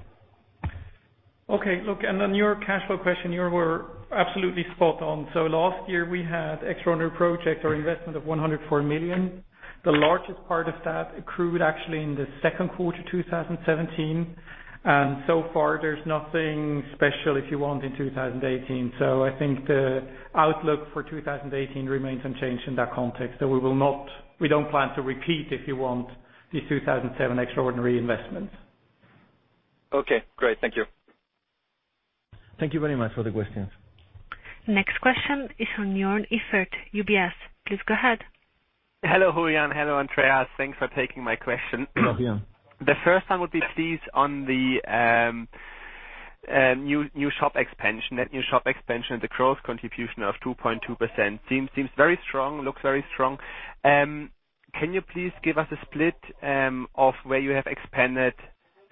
Okay. Look, on your cash flow question, you were absolutely spot on. Last year, we had extraordinary project or investment of 104 million. The largest part of that accrued actually in the second quarter 2017, and so far there's nothing special if you want in 2018. I think the outlook for 2018 remains unchanged in that context. We don't plan to repeat, if you want, the 2017 extraordinary investment. Okay, great. Thank you. Thank you very much for the questions. Next question is from Joern Iffert, UBS. Please go ahead. Hello, Julián. Hello, Andreas. Thanks for taking my question. Hello, Joern. The first one would be, please, on the net new shop expansion, the growth contribution of 2.2% seems very strong, looks very strong. Can you please give us a split of where you have expanded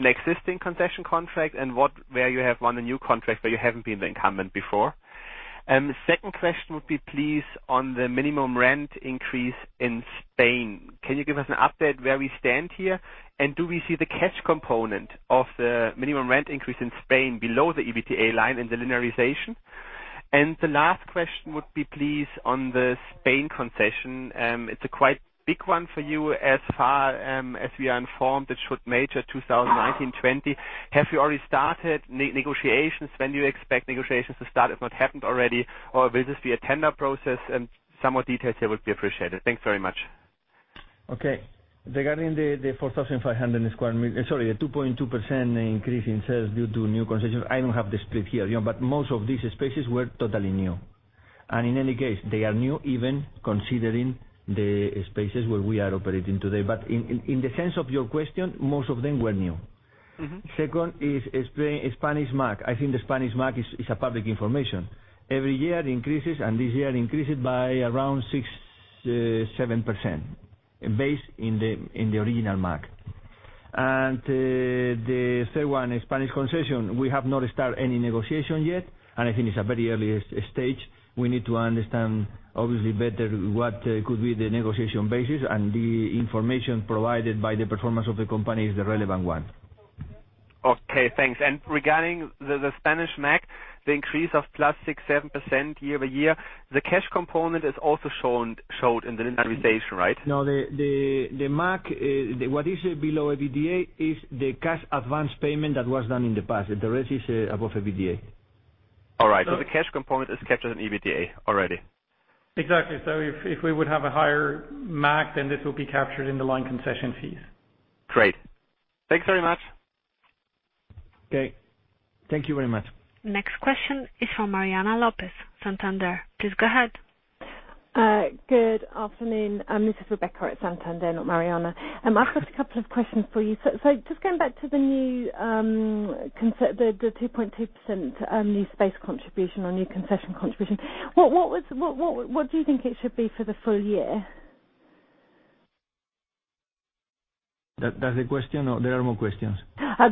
an existing concession contract and where you have won a new contract where you haven't been the incumbent before? Second question would be, please, on the minimum rent increase in Spain. Can you give us an update where we stand here? Do we see the cash component of the minimum rent increase in Spain below the EBITDA line in the linearization? The last question would be, please, on the Spain concession. It's a quite big one for you as far as we are informed, it should mature 2019-2020. Have you already started negotiations? When do you expect negotiations to start, if not happened already? Or will this be a tender process? Some more details there would be appreciated. Thanks very much. Okay. Regarding the 2.2% increase in sales due to new concessions, I don't have the split here, but most of these spaces were totally new. In any case, they are new even considering the spaces where we are operating today. In the sense of your question, most of them were new. Second is Spanish MAG. I think the Spanish MAG is a public information. Every year, it increases, and this year, it increased by around 6%, 7%, based in the original MAG. The third one, Spanish concession, we have not start any negotiation yet, and I think it's a very early stage. We need to understand, obviously, better what could be the negotiation basis, and the information provided by the performance of the company is the relevant one. Okay, thanks. Regarding the Spanish MAG, the increase of plus 6%, 7% year-over-year, the cash component is also showed in the linearization, right? No, the MAG, what is below EBITDA is the cash advance payment that was done in the past. The rest is above EBITDA. All right. The cash component is captured in EBITDA already? Exactly. If we would have a higher MAG, this will be captured in the line concession fees. Great. Thanks very much. Okay. Thank you very much. Next question is from Rebecca McClellan, Santander. Please go ahead. Good afternoon. This is Rebecca at Santander, not Mariana. I've just a couple of questions for you. Just going back to the 2.2% new space contribution or new concession contribution. What do you think it should be for the full year? That's the question, or there are more questions?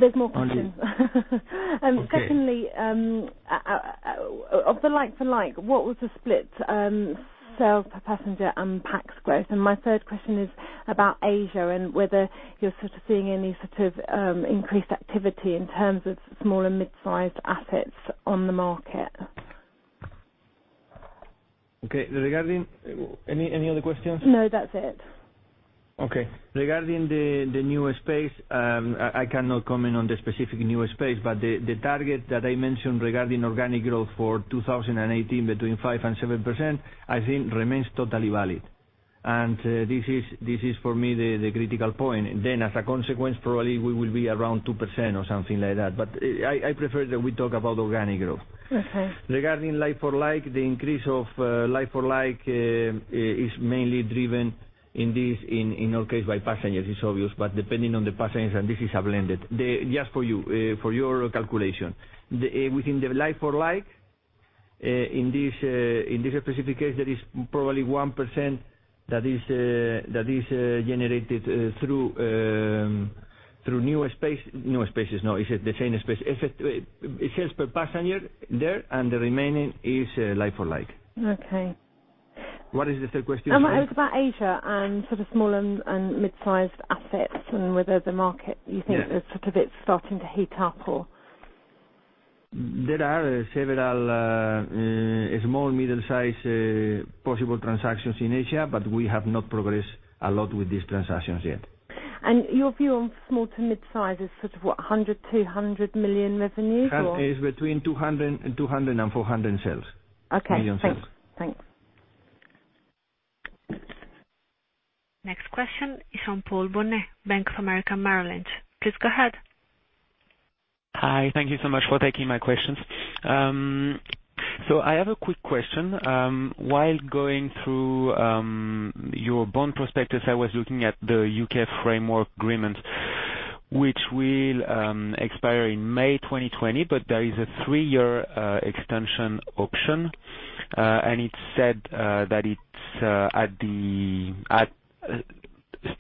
There's more questions. Okay. Secondly, of the like for like, what was the split sales per passenger and pax growth? My third question is about Asia, and whether you're sort of seeing any sort of increased activity in terms of small and mid-sized assets on the market. Okay. Any other questions? No, that's it. Okay. Regarding the new space, I cannot comment on the specific new space, but the target that I mentioned regarding organic growth for 2018 between 5% and 7%, I think remains totally valid. This is, for me, the critical point. As a consequence, probably we will be around 2% or something like that. I prefer that we talk about organic growth. Okay. Regarding like-for-like, the increase of like-for-like is mainly driven in our case by passengers, it's obvious, but depending on the passengers, and this is a blended. Just for your calculation. Within the like-for-like, in this specific case, there is probably 1% that is generated through new space. New spaces, no. It's the same space. It's sales per passenger there, and the remaining is like-for-like. Okay. What is the third question? It's about Asia and sort of small and mid-sized assets and whether the market- Yes you think it's starting to heat up, or? There are several small, middle-size possible transactions in Asia, but we have not progressed a lot with these transactions yet. Your view on small to mid-size is sort of what? 100 million, 200 million revenues, or? It's between 200 and 400 sales. Okay. Million sales. Thanks. Next question is from Paul Bonnet, Bank of America Merrill Lynch. Please go ahead. Hi. Thank you so much for taking my questions. I have a quick question. While going through your bond prospectus, I was looking at the U.K. framework agreement, which will expire in May 2020, but there is a three-year extension option. It said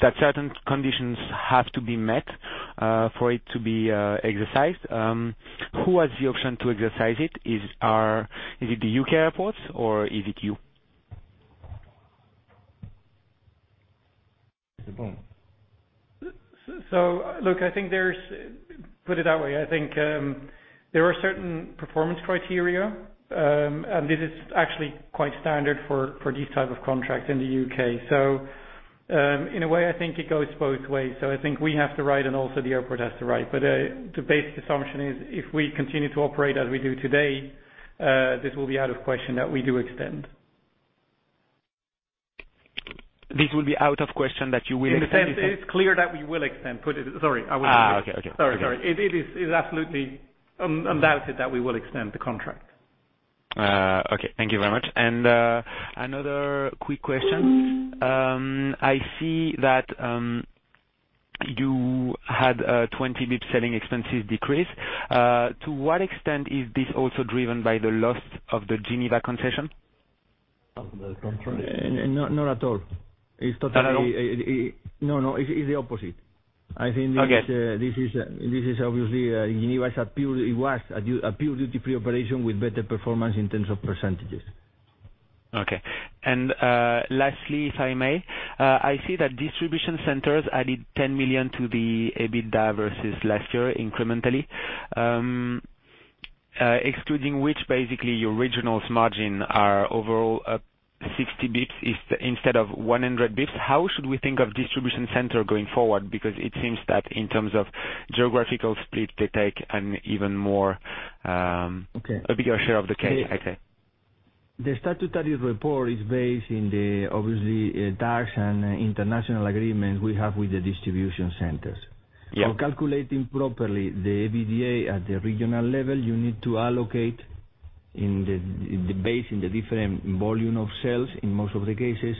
that certain conditions have to be met for it to be exercised. Who has the option to exercise it? Is it the U.K. airports or is it you? It's a bond. Look, put it that way, I think there are certain performance criteria, and this is actually quite standard for these type of contracts in the U.K. In a way, I think it goes both ways. I think we have the right and also the airport has the right. The basic assumption is if we continue to operate as we do today, this will be out of question that we do extend. This will be out of question that you will extend? It is clear that we will extend. Okay. Sorry. It is absolutely undoubted that we will extend the contract. Okay. Thank you very much. Another quick question. I see that you had a 20 basis points selling expenses decrease. To what extent is this also driven by the loss of the Geneva concession? Of the concession. Not at all. Not at all? No. It's the opposite. Okay. I think this is obviously, Geneva, it was a pure duty-free operation with better performance in terms of %s. Lastly, if I may, I see that distribution centers added 10 million to the EBITDA versus last year incrementally, excluding which basically your regionals margin are overall up 60 basis points instead of 100 basis points. How should we think of distribution center going forward? Because it seems that in terms of geographical split, they take an even more- Okay a bigger share of the cake, I think. The statutory report is based in the obviously tax and international agreement we have with the distribution centers. Yeah. Calculating properly the EBITDA at the regional level, you need to allocate in the base, in the different volume of sales, in most of the cases,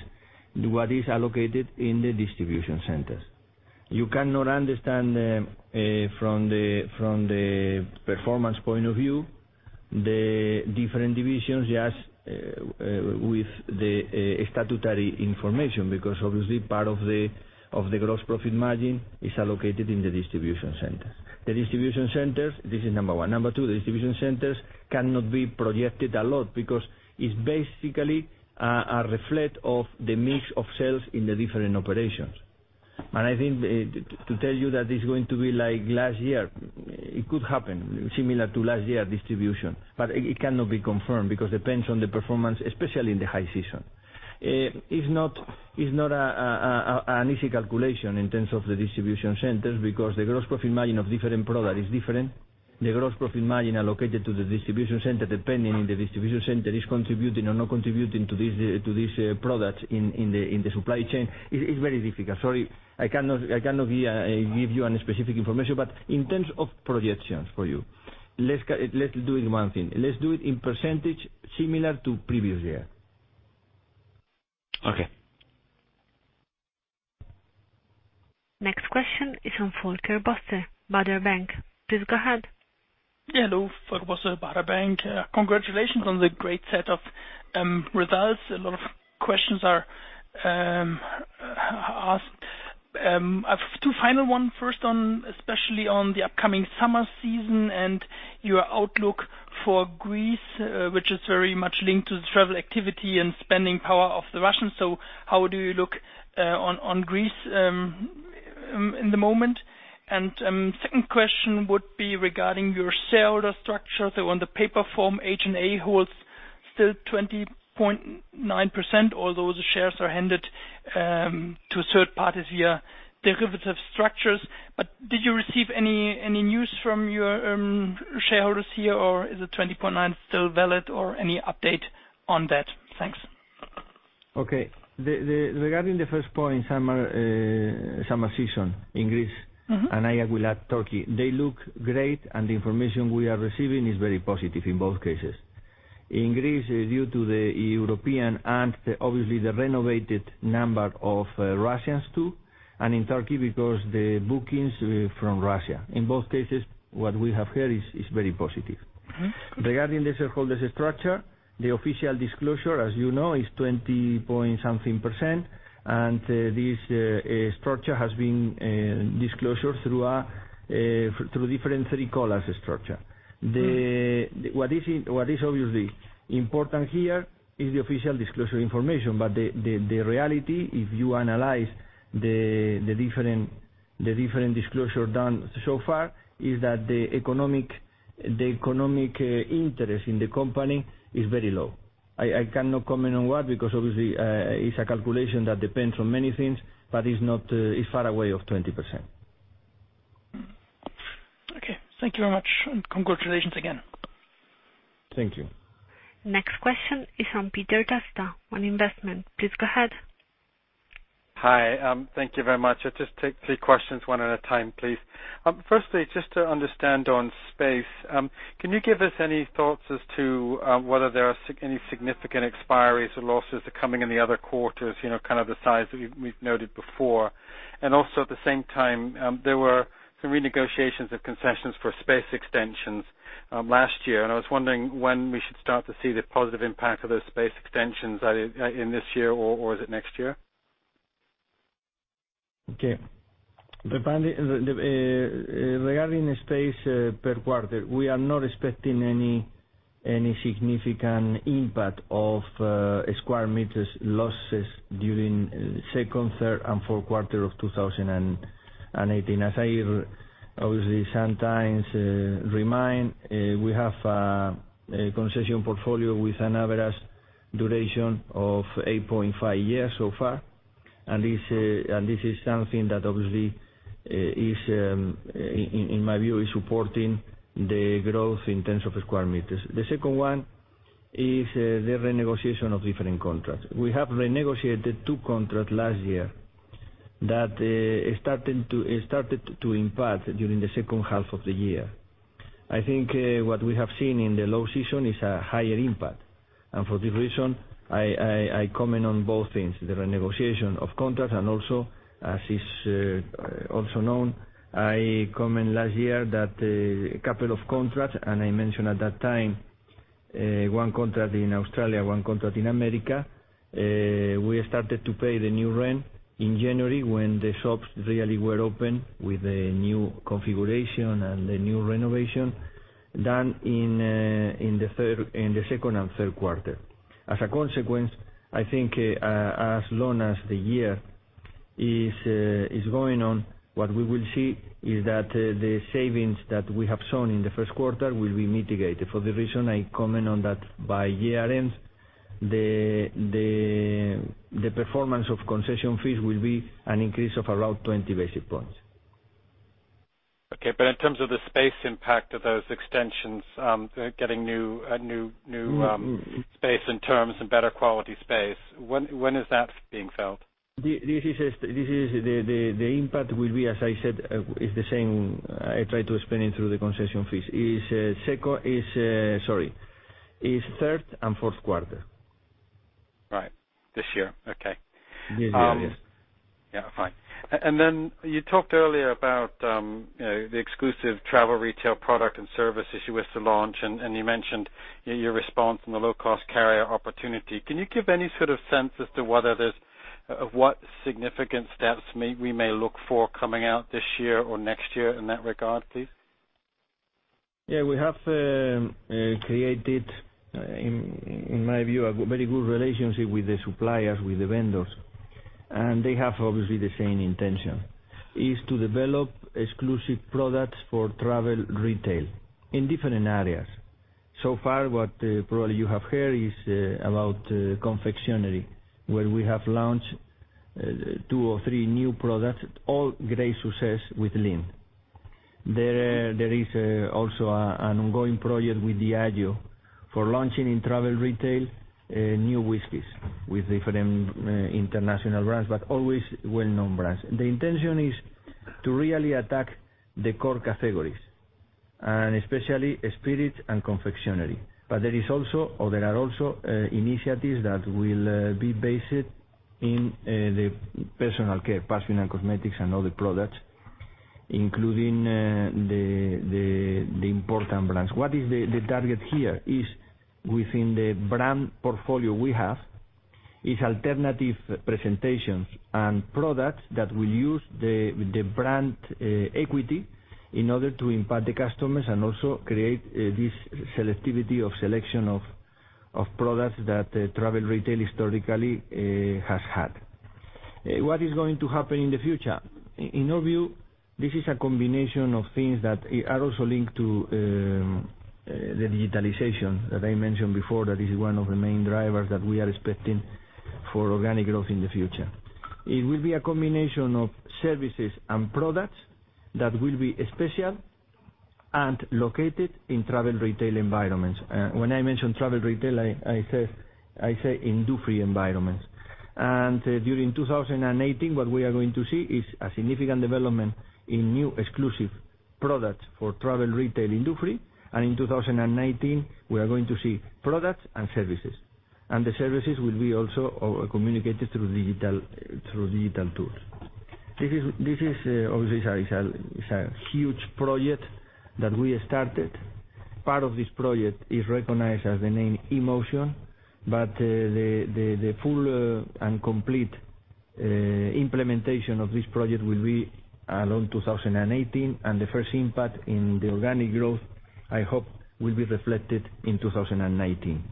what is allocated in the distribution centers. You cannot understand from the performance point of view, the different divisions just with the statutory information, because obviously part of the gross profit margin is allocated in the distribution centers. This is number 1. Number 2, the distribution centers cannot be projected a lot because it's basically a reflect of the mix of sales in the different operations. I think to tell you that it's going to be like last year, it could happen similar to last year distribution, but it cannot be confirmed because depends on the performance, especially in the high season. It's not an easy calculation in terms of the distribution centers because the gross profit margin of different product is different. The gross profit margin allocated to the distribution center, depending if the distribution center is contributing or not contributing to these products in the supply chain, it's very difficult. Sorry, I cannot give you any specific information, but in terms of projections for you, let's do it in one thing. Let's do it in % similar to previous year. Okay. Next question is from Volker Bosse, Baader Bank. Please go ahead. Hello. Volker Bosse, Baader Bank. Congratulations on the great set of results. A lot of questions are asked. I've two final one. First on, especially on the upcoming summer season and your outlook for Greece, which is very much linked to the travel activity and spending power of the Russians. How do you look on Greece? In the moment. Second question would be regarding your shareholder structure. On the paper form, HNA holds still 20.9%, although the shares are handed to third parties via derivative structures. Did you receive any news from your shareholders here, or is the 20.9 still valid or any update on that? Thanks. Okay. Regarding the first point, summer season in Greece and [inaudible] Turkey. They look great, and the information we are receiving is very positive in both cases. In Greece, due to the European and obviously the renovated number of Russians too, and in Turkey, because the bookings from Russia. In both cases, what we have heard is very positive. Regarding the shareholder structure, the official disclosure, as you know, is 20 point something %, and this structure has been disclosed through different three collar structure. What is obviously important here is the official disclosure information. The reality, if you analyze the different disclosure done so far, is that the economic interest in the company is very low. I cannot comment on what because obviously it's a calculation that depends on many things, but it's far away of 20%. Okay. Thank you very much. Congratulations again. Thank you. Next question is from Peter Tasta On Investment. Please go ahead. Hi. Thank you very much. I'll just take three questions one at a time, please. Firstly, just to understand on space. Can you give us any thoughts as to whether there are any significant expiries or losses coming in the other quarters, kind of the size that we've noted before? Also at the same time, there were some renegotiations of concessions for space extensions last year. I was wondering when we should start to see the positive impact of those space extensions, in this year or is it next year? Okay. Regarding space per quarter, we are not expecting any significant impact of square meters losses during second, third, and fourth quarter of 2018. As I obviously sometimes remind, we have a concession portfolio with an average duration of 8.5 years so far. This is something that obviously is, in my view, is supporting the growth in terms of square meters. The second one is the renegotiation of different contracts. We have renegotiated two contracts last year that started to impact during the second half of the year. I think what we have seen in the low season is a higher impact. For this reason, I comment on both things, the renegotiation of contracts and also as is also known, I comment last year that a couple of contracts, and I mentioned at that time, one contract in Australia, one contract in America. We started to pay the new rent in January when the shops really were open with the new configuration and the new renovation done in the second and third quarter. As a consequence, I think as long as the year is going on, what we will see is that the savings that we have shown in the first quarter will be mitigated. For the reason I comment on that by year-end, the performance of concession fees will be an increase of around 20 basic points. Okay. In terms of the space impact of those extensions, getting new space and terms and better quality space, when is that being felt? The impact will be, as I said, is the same. I try to explain it through the concession fees. Is third and fourth quarter. Right. This year. Okay. Yes. Yeah. Fine. Then you talked earlier about the exclusive travel retail product and services you wish to launch, and you mentioned your response on the low-cost carrier opportunity. Can you give any sort of sense as to what significant steps we may look for coming out this year or next year in that regard, please? Yeah. We have created, in my view, a very good relationship with the suppliers, with the vendors, they have obviously the same intention. Is to develop exclusive products for travel retail in different areas. So far, what probably you have heard is about confectionery, where we have launched two or three new products, all great success with Lindt. There is also an ongoing project with Diageo for launching in travel retail new whiskeys with different international brands, but always well-known brands. The intention is to really attack the core categories, and especially spirit and confectionery. There are also initiatives that will be based in the personal care, perfume and cosmetics and other products, including the important brands. What is the target here is within the brand portfolio we have is alternative presentations and products that will use the brand equity in order to impact the customers and also create this selectivity of selection of products that travel retail historically has had. What is going to happen in the future? In our view, this is a combination of things that are also linked to the digitalization that I mentioned before, that is one of the main drivers that we are expecting for organic growth in the future. It will be a combination of services and products that will be special and located in travel retail environments. When I mention travel retail, I say in duty free environments. During 2018, what we are going to see is a significant development in new exclusive products for travel retail in duty free. In 2019, we are going to see products and services. The services will be also communicated through digital tools. This is obviously, it's a huge project that we started. Part of this project is recognized as the name eMotion, but the full and complete implementation of this project will be along 2018, and the first impact in the organic growth, I hope, will be reflected in 2019.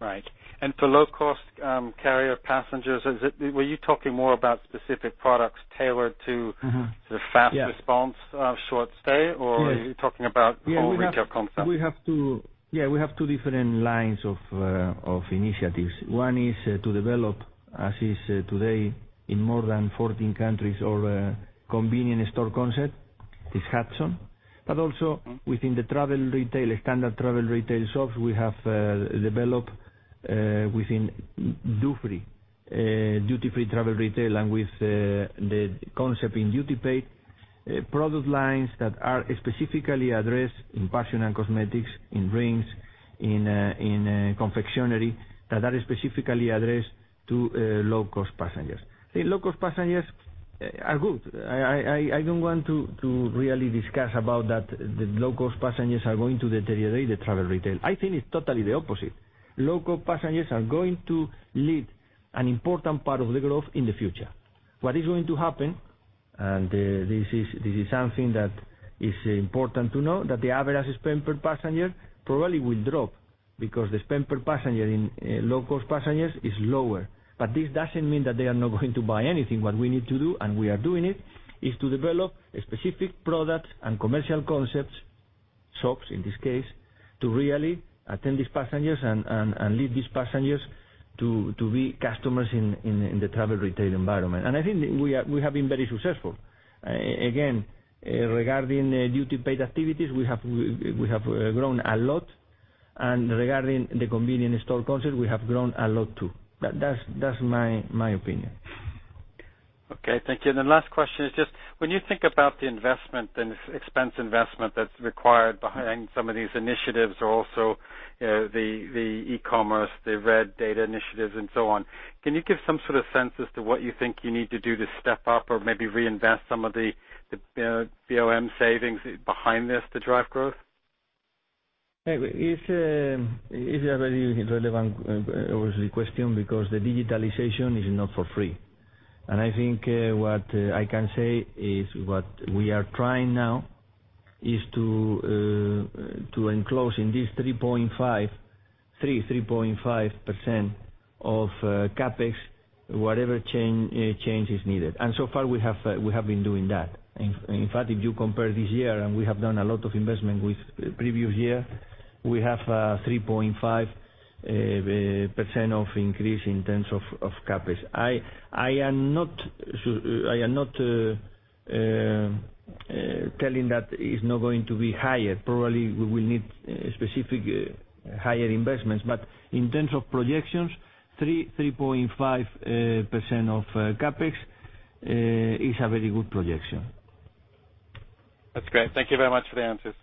Right. For low-cost carrier passengers, were you talking more about specific products tailored to- Yeah sort of fast response, short stay? Yes. Are you talking about whole retail concept? Yeah, we have two different lines of initiatives. One is to develop, as is today in more than 14 countries, our convenience store concept, is Hudson. within the travel retail, standard travel retail shops, we have developed within duty free, duty free travel retail and with the concept in duty paid, product lines that are specifically addressed in passion and cosmetics, in drinks, in confectionery, that are specifically addressed to low-cost passengers. Low-cost passengers are good. I don't want to really discuss about that the low-cost passengers are going to deteriorate the travel retail. I think it's totally the opposite. Low-cost passengers are going to lead an important part of the growth in the future. What is going to happen, and this is something that is important to know, that the average spend per passenger probably will drop, because the spend per passenger in low-cost passengers is lower. This doesn't mean that they are not going to buy anything. What we need to do, and we are doing it, is to develop specific products and commercial concepts, shops in this case, to really attend these passengers and lead these passengers to be customers in the travel retail environment. I think we have been very successful. Again, regarding duty paid activities, we have grown a lot, and regarding the convenience store concept, we have grown a lot, too. That's my opinion. Okay, thank you. Last question is just, when you think about the investment and expense investment that's required behind some of these initiatives, or also the e-commerce, the red data initiatives and so on, can you give some sort of sense as to what you think you need to do to step up or maybe reinvest some of the BOM savings behind this to drive growth? It's a very relevant, obviously, question because the digitalization is not for free. I think what I can say is what we are trying now is to enclose in this 3.5% of CapEx, whatever change is needed. So far, we have been doing that. In fact, if you compare this year, and we have done a lot of investment with previous year, we have 3.5% of increase in terms of CapEx. I am not telling that it's not going to be higher. Probably we will need specific higher investments, but in terms of projections, 3-3.5% of CapEx is a very good projection. That's great. Thank you very much for the answers.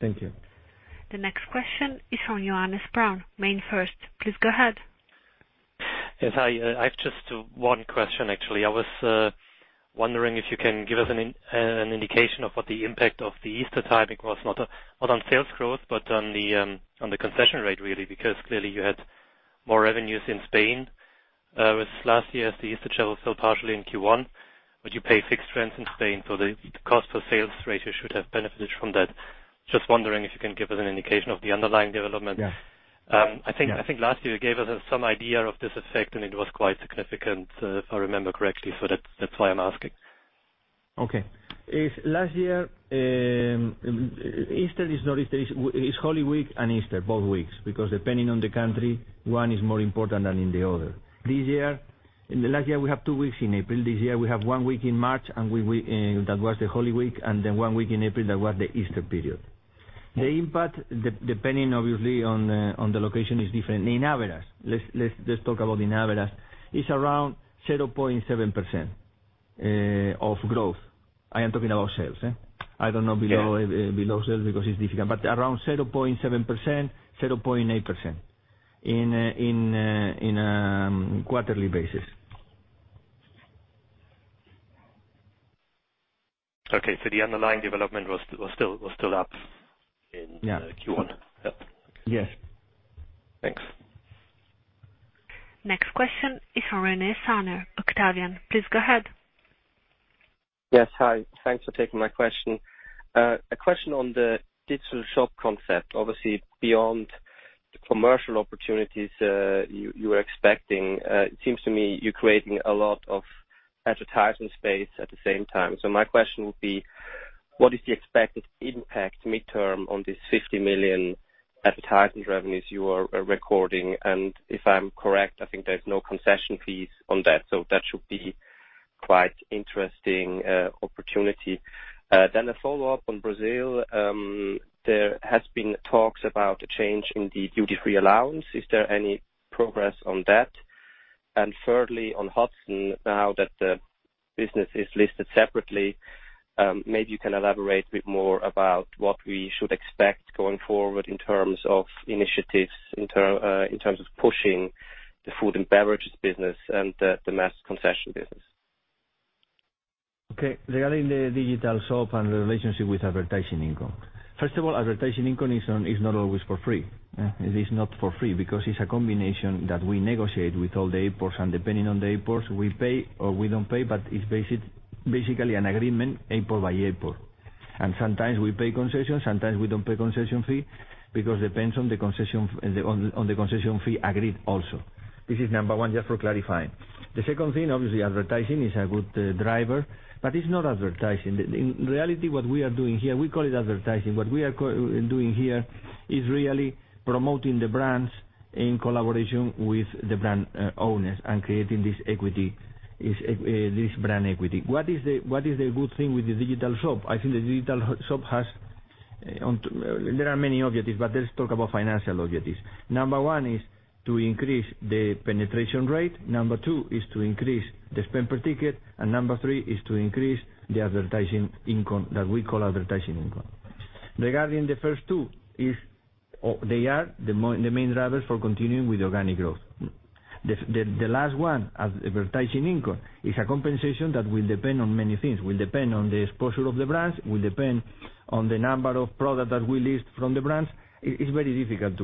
Thank you. The next question is from Johannes Braun, MainFirst Bank. Please go ahead. Yes. Hi, I have just one question, actually. I was wondering if you can give us an indication of what the impact of the Easter timing was, not on sales growth, but on the concession rate, really, because clearly you had more revenues in Spain, with last year's Easter travel sold partially in Q1. Would you pay fixed rents in Spain so the cost per sales ratio should have benefited from that. Just wondering if you can give us an indication of the underlying development. Yeah. I think last year gave us some idea of this effect, it was quite significant, if I remember correctly. That's why I'm asking. Okay. Last year, Easter is not Easter, it's Holy Week and Easter, both weeks, because depending on the country, one is more important than in the other. In the last year, we have two weeks in April. This year we have one week in March, and that was the Holy Week, and then one week in April, that was the Easter period. Yeah. The impact, depending obviously on the location, is different. In Iberia, let's talk about in Iberia, it's around 0.7% of growth. I am talking about sales, eh? I don't know Yeah sales because it's difficult, but around 0.7%-0.8% in a quarterly basis. Okay, the underlying development was still up Yeah Q1. Yep. Yes. Thanks. Next question is from Rene Saner, Octavian. Please go ahead. Yes. Hi. Thanks for taking my question. A question on the digital shop concept, obviously beyond the commercial opportunities you are expecting, it seems to me you're creating a lot of advertising space at the same time. My question would be, what is the expected impact midterm on this 50 million advertising revenues you are recording? If I'm correct, I think there's no concession fees on that should be quite interesting opportunity. A follow-up on Brazil. There has been talks about a change in the duty-free allowance. Is there any progress on that? Thirdly, on Hudson, now that the business is listed separately, maybe you can elaborate a bit more about what we should expect going forward in terms of initiatives, in terms of pushing the food and beverage business and the master concession business. Okay. Regarding the digital shop and the relationship with advertising income, first of all, advertising income is not always for free. It is not for free because it's a combination that we negotiate with all the airports, and depending on the airports, we pay or we don't pay, but it's basically an agreement airport by airport. Sometimes we pay concession, sometimes we don't pay concession fee because depends on the concession fee agreed also. This is number 1, just for clarifying. The second thing, obviously, advertising is a good driver, but it's not advertising. In reality, what we are doing here, we call it advertising. What we are doing here is really promoting the brands in collaboration with the brand owners and creating this brand equity. What is the good thing with the digital shop? There are many objectives, but let's talk about financial objectives. Number 1 is to increase the penetration rate. Number 2 is to increase the spend per ticket, and number 3 is to increase the advertising income that we call advertising income. Regarding the first 2, they are the main drivers for continuing with organic growth. The last 1, advertising income, is a compensation that will depend on many things, will depend on the exposure of the brands, will depend on the number of product that we list from the brands. It's very difficult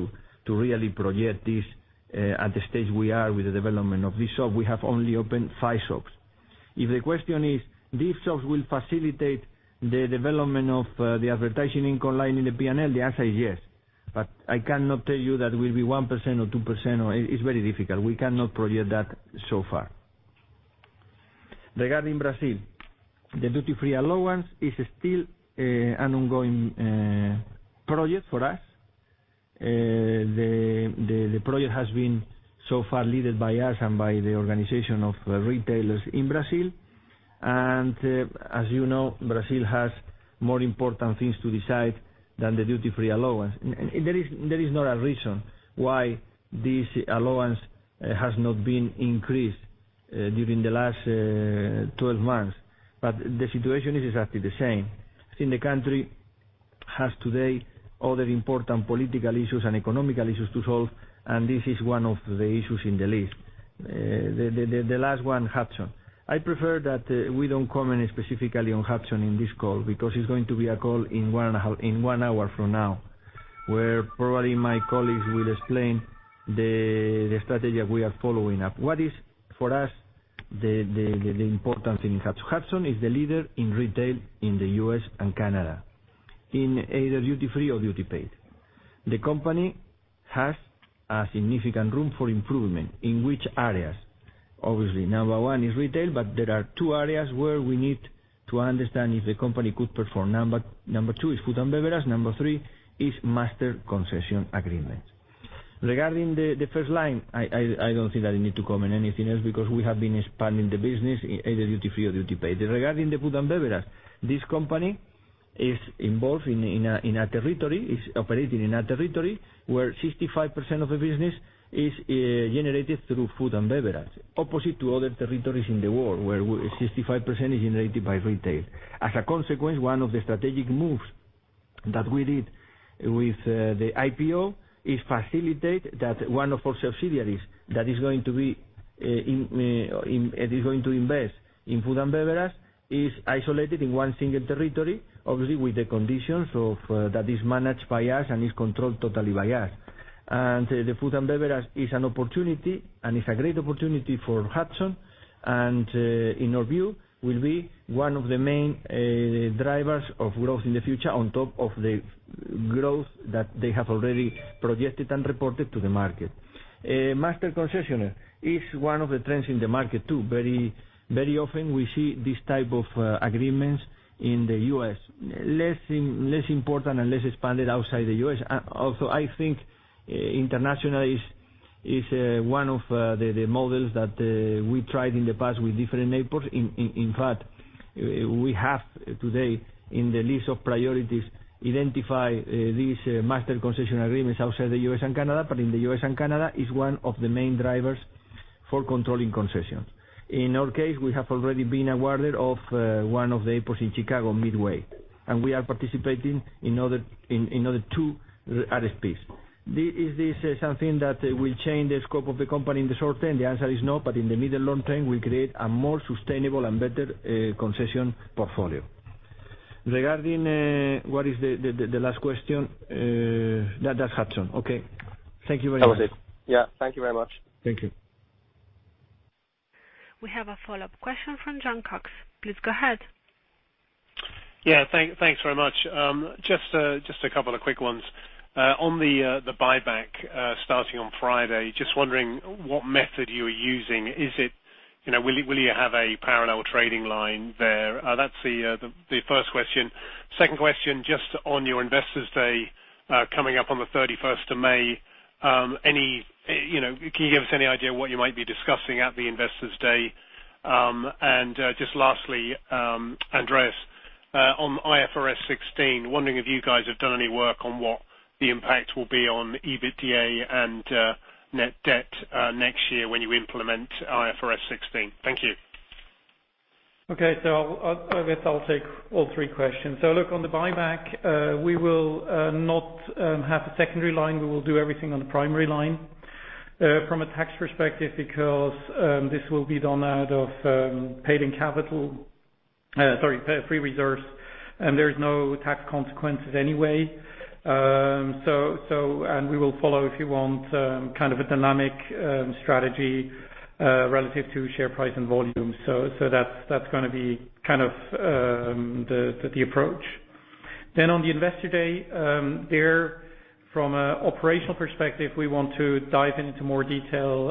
to really project this at the stage we are with the development of this shop. We have only opened five shops. If the question is, these shops will facilitate the development of the advertising income line in the P&L, the answer is yes. I cannot tell you that it will be 1% or 2%. It's very difficult. We cannot project that so far. Regarding Brazil, the duty-free allowance is still an ongoing project for us. The project has been so far led by us and by the organization of retailers in Brazil. As you know, Brazil has more important things to decide than the duty-free allowance. There is not a reason why this allowance has not been increased during the last 12 months, but the situation is exactly the same. I think the country has today other important political issues and economical issues to solve, and this is one of the issues in the list. The last one, Hudson. I prefer that we don't comment specifically on Hudson in this call because it's going to be a call in one hour from now, where probably my colleagues will explain the strategy we are following up. What is, for us, the importance in Hudson? Hudson is the leader in retail in the U.S. and Canada, in either duty free or duty paid. The company has a significant room for improvement. In which areas? Obviously, number 1 is retail, but there are two areas where we need to understand if the company could perform. Number 2 is food and beverage. Number 3 is master concession agreement. Regarding the first line, I don't think I need to comment anything else because we have been expanding the business in either duty free or duty paid. Regarding the food and beverage, this company is involved in a territory, is operating in a territory where 65% of the business is generated through food and beverage, opposite to other territories in the world, where 65% is generated by retail. As a consequence, one of the strategic moves that we did with the IPO is facilitate that one of our subsidiaries that is going to invest in food and beverage is isolated in one single territory, obviously with the conditions of that is managed by us and is controlled totally by us. The food and beverage is an opportunity, and it's a great opportunity for Hudson, and in our view, will be one of the main drivers of growth in the future on top of the growth that they have already projected and reported to the market. Master concessionaire is one of the trends in the market, too. Very often we see this type of agreements in the U.S., less important and less expanded outside the U.S. I think international is one of the models that we tried in the past with different airports. In fact, we have today in the list of priorities, identify these master concession agreements outside the U.S. and Canada, but in the U.S. and Canada is one of the main drivers for controlling concessions. In our case, we have already been awarded of one of the airports in Chicago, Midway, and we are participating in other two RFPs. Is this something that will change the scope of the company in the short term? The answer is no, but in the medium long term, we create a more sustainable and better concession portfolio. Regarding what is the last question? That's Hudson. Okay. Thank you very much. That was it. Yeah. Thank you very much. Thank you. We have a follow-up question from Jon Cox. Please go ahead. Yeah. Thanks very much. Just a couple of quick ones. On the buyback starting on Friday, just wondering what method you are using. Will you have a parallel trading line there? That's the first question. Second question, just on your Investors Day, coming up on the 31st of May, can you give us any idea what you might be discussing at the Investors Day? Just lastly, Andreas, on IFRS 16, wondering if you guys have done any work on what the impact will be on EBITDA and net debt next year when you implement IFRS 16. Thank you. I guess I'll take all three questions. Look, on the buyback, we will not have a secondary line. We will do everything on the primary line. From a tax perspective, because this will be done out of paid-in capital, sorry, paid free reserves, there is no tax consequences anyway. We will follow, if you want, a dynamic strategy relative to share price and volume. That's going to be the approach. On the investor day, there from an operational perspective, we want to dive into more detail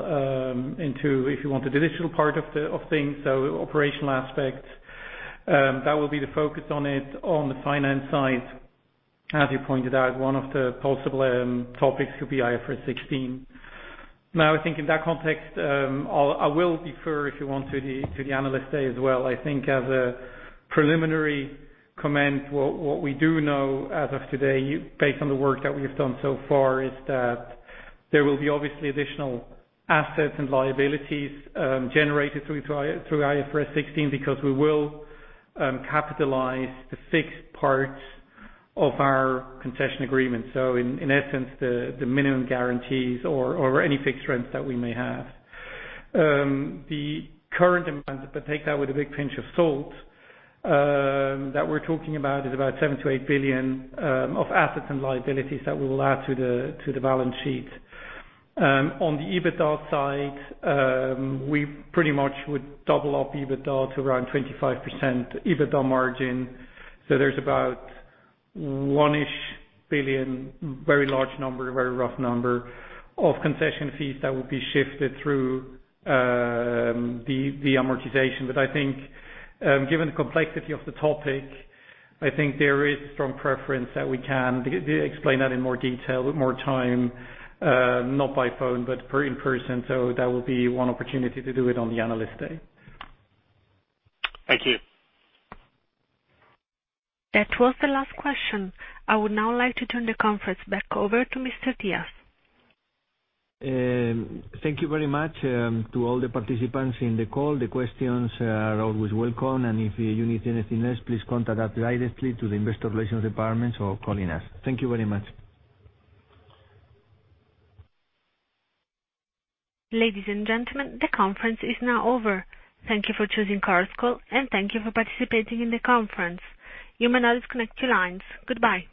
into, if you want, the digital part of things, so operational aspects. That will be the focus on it. On the finance side, as you pointed out, one of the possible topics could be IFRS 16. I think in that context, I will defer, if you want, to the analyst day as well. I think as a preliminary comment, what we do know as of today, based on the work that we've done so far, is that there will be obviously additional assets and liabilities generated through IFRS 16 because we will capitalize the fixed part of our concession agreement. In essence, the minimum guarantees or any fixed rents that we may have. The current amount, but take that with a big pinch of salt, that we're talking about is about 7 billion-8 billion of assets and liabilities that we will add to the balance sheet. On the EBITDA side, we pretty much would double up EBITDA to around 25% EBITDA margin. There's about 1 billion-ish, very large number, very rough number, of concession fees that will be shifted through the amortization. I think, given the complexity of the topic, I think there is a strong preference that we can explain that in more detail with more time, not by phone, but in person. That will be one opportunity to do it on the analyst day. Thank you. That was the last question. I would now like to turn the conference back over to Mr. Diaz. Thank you very much to all the participants in the call. The questions are always welcome, and if you need anything else, please contact us directly to the Investor Relations department or calling us. Thank you very much. Ladies and gentlemen, the conference is now over. Thank you for choosing Chorus Call, and thank you for participating in the conference. You may now disconnect your lines. Goodbye.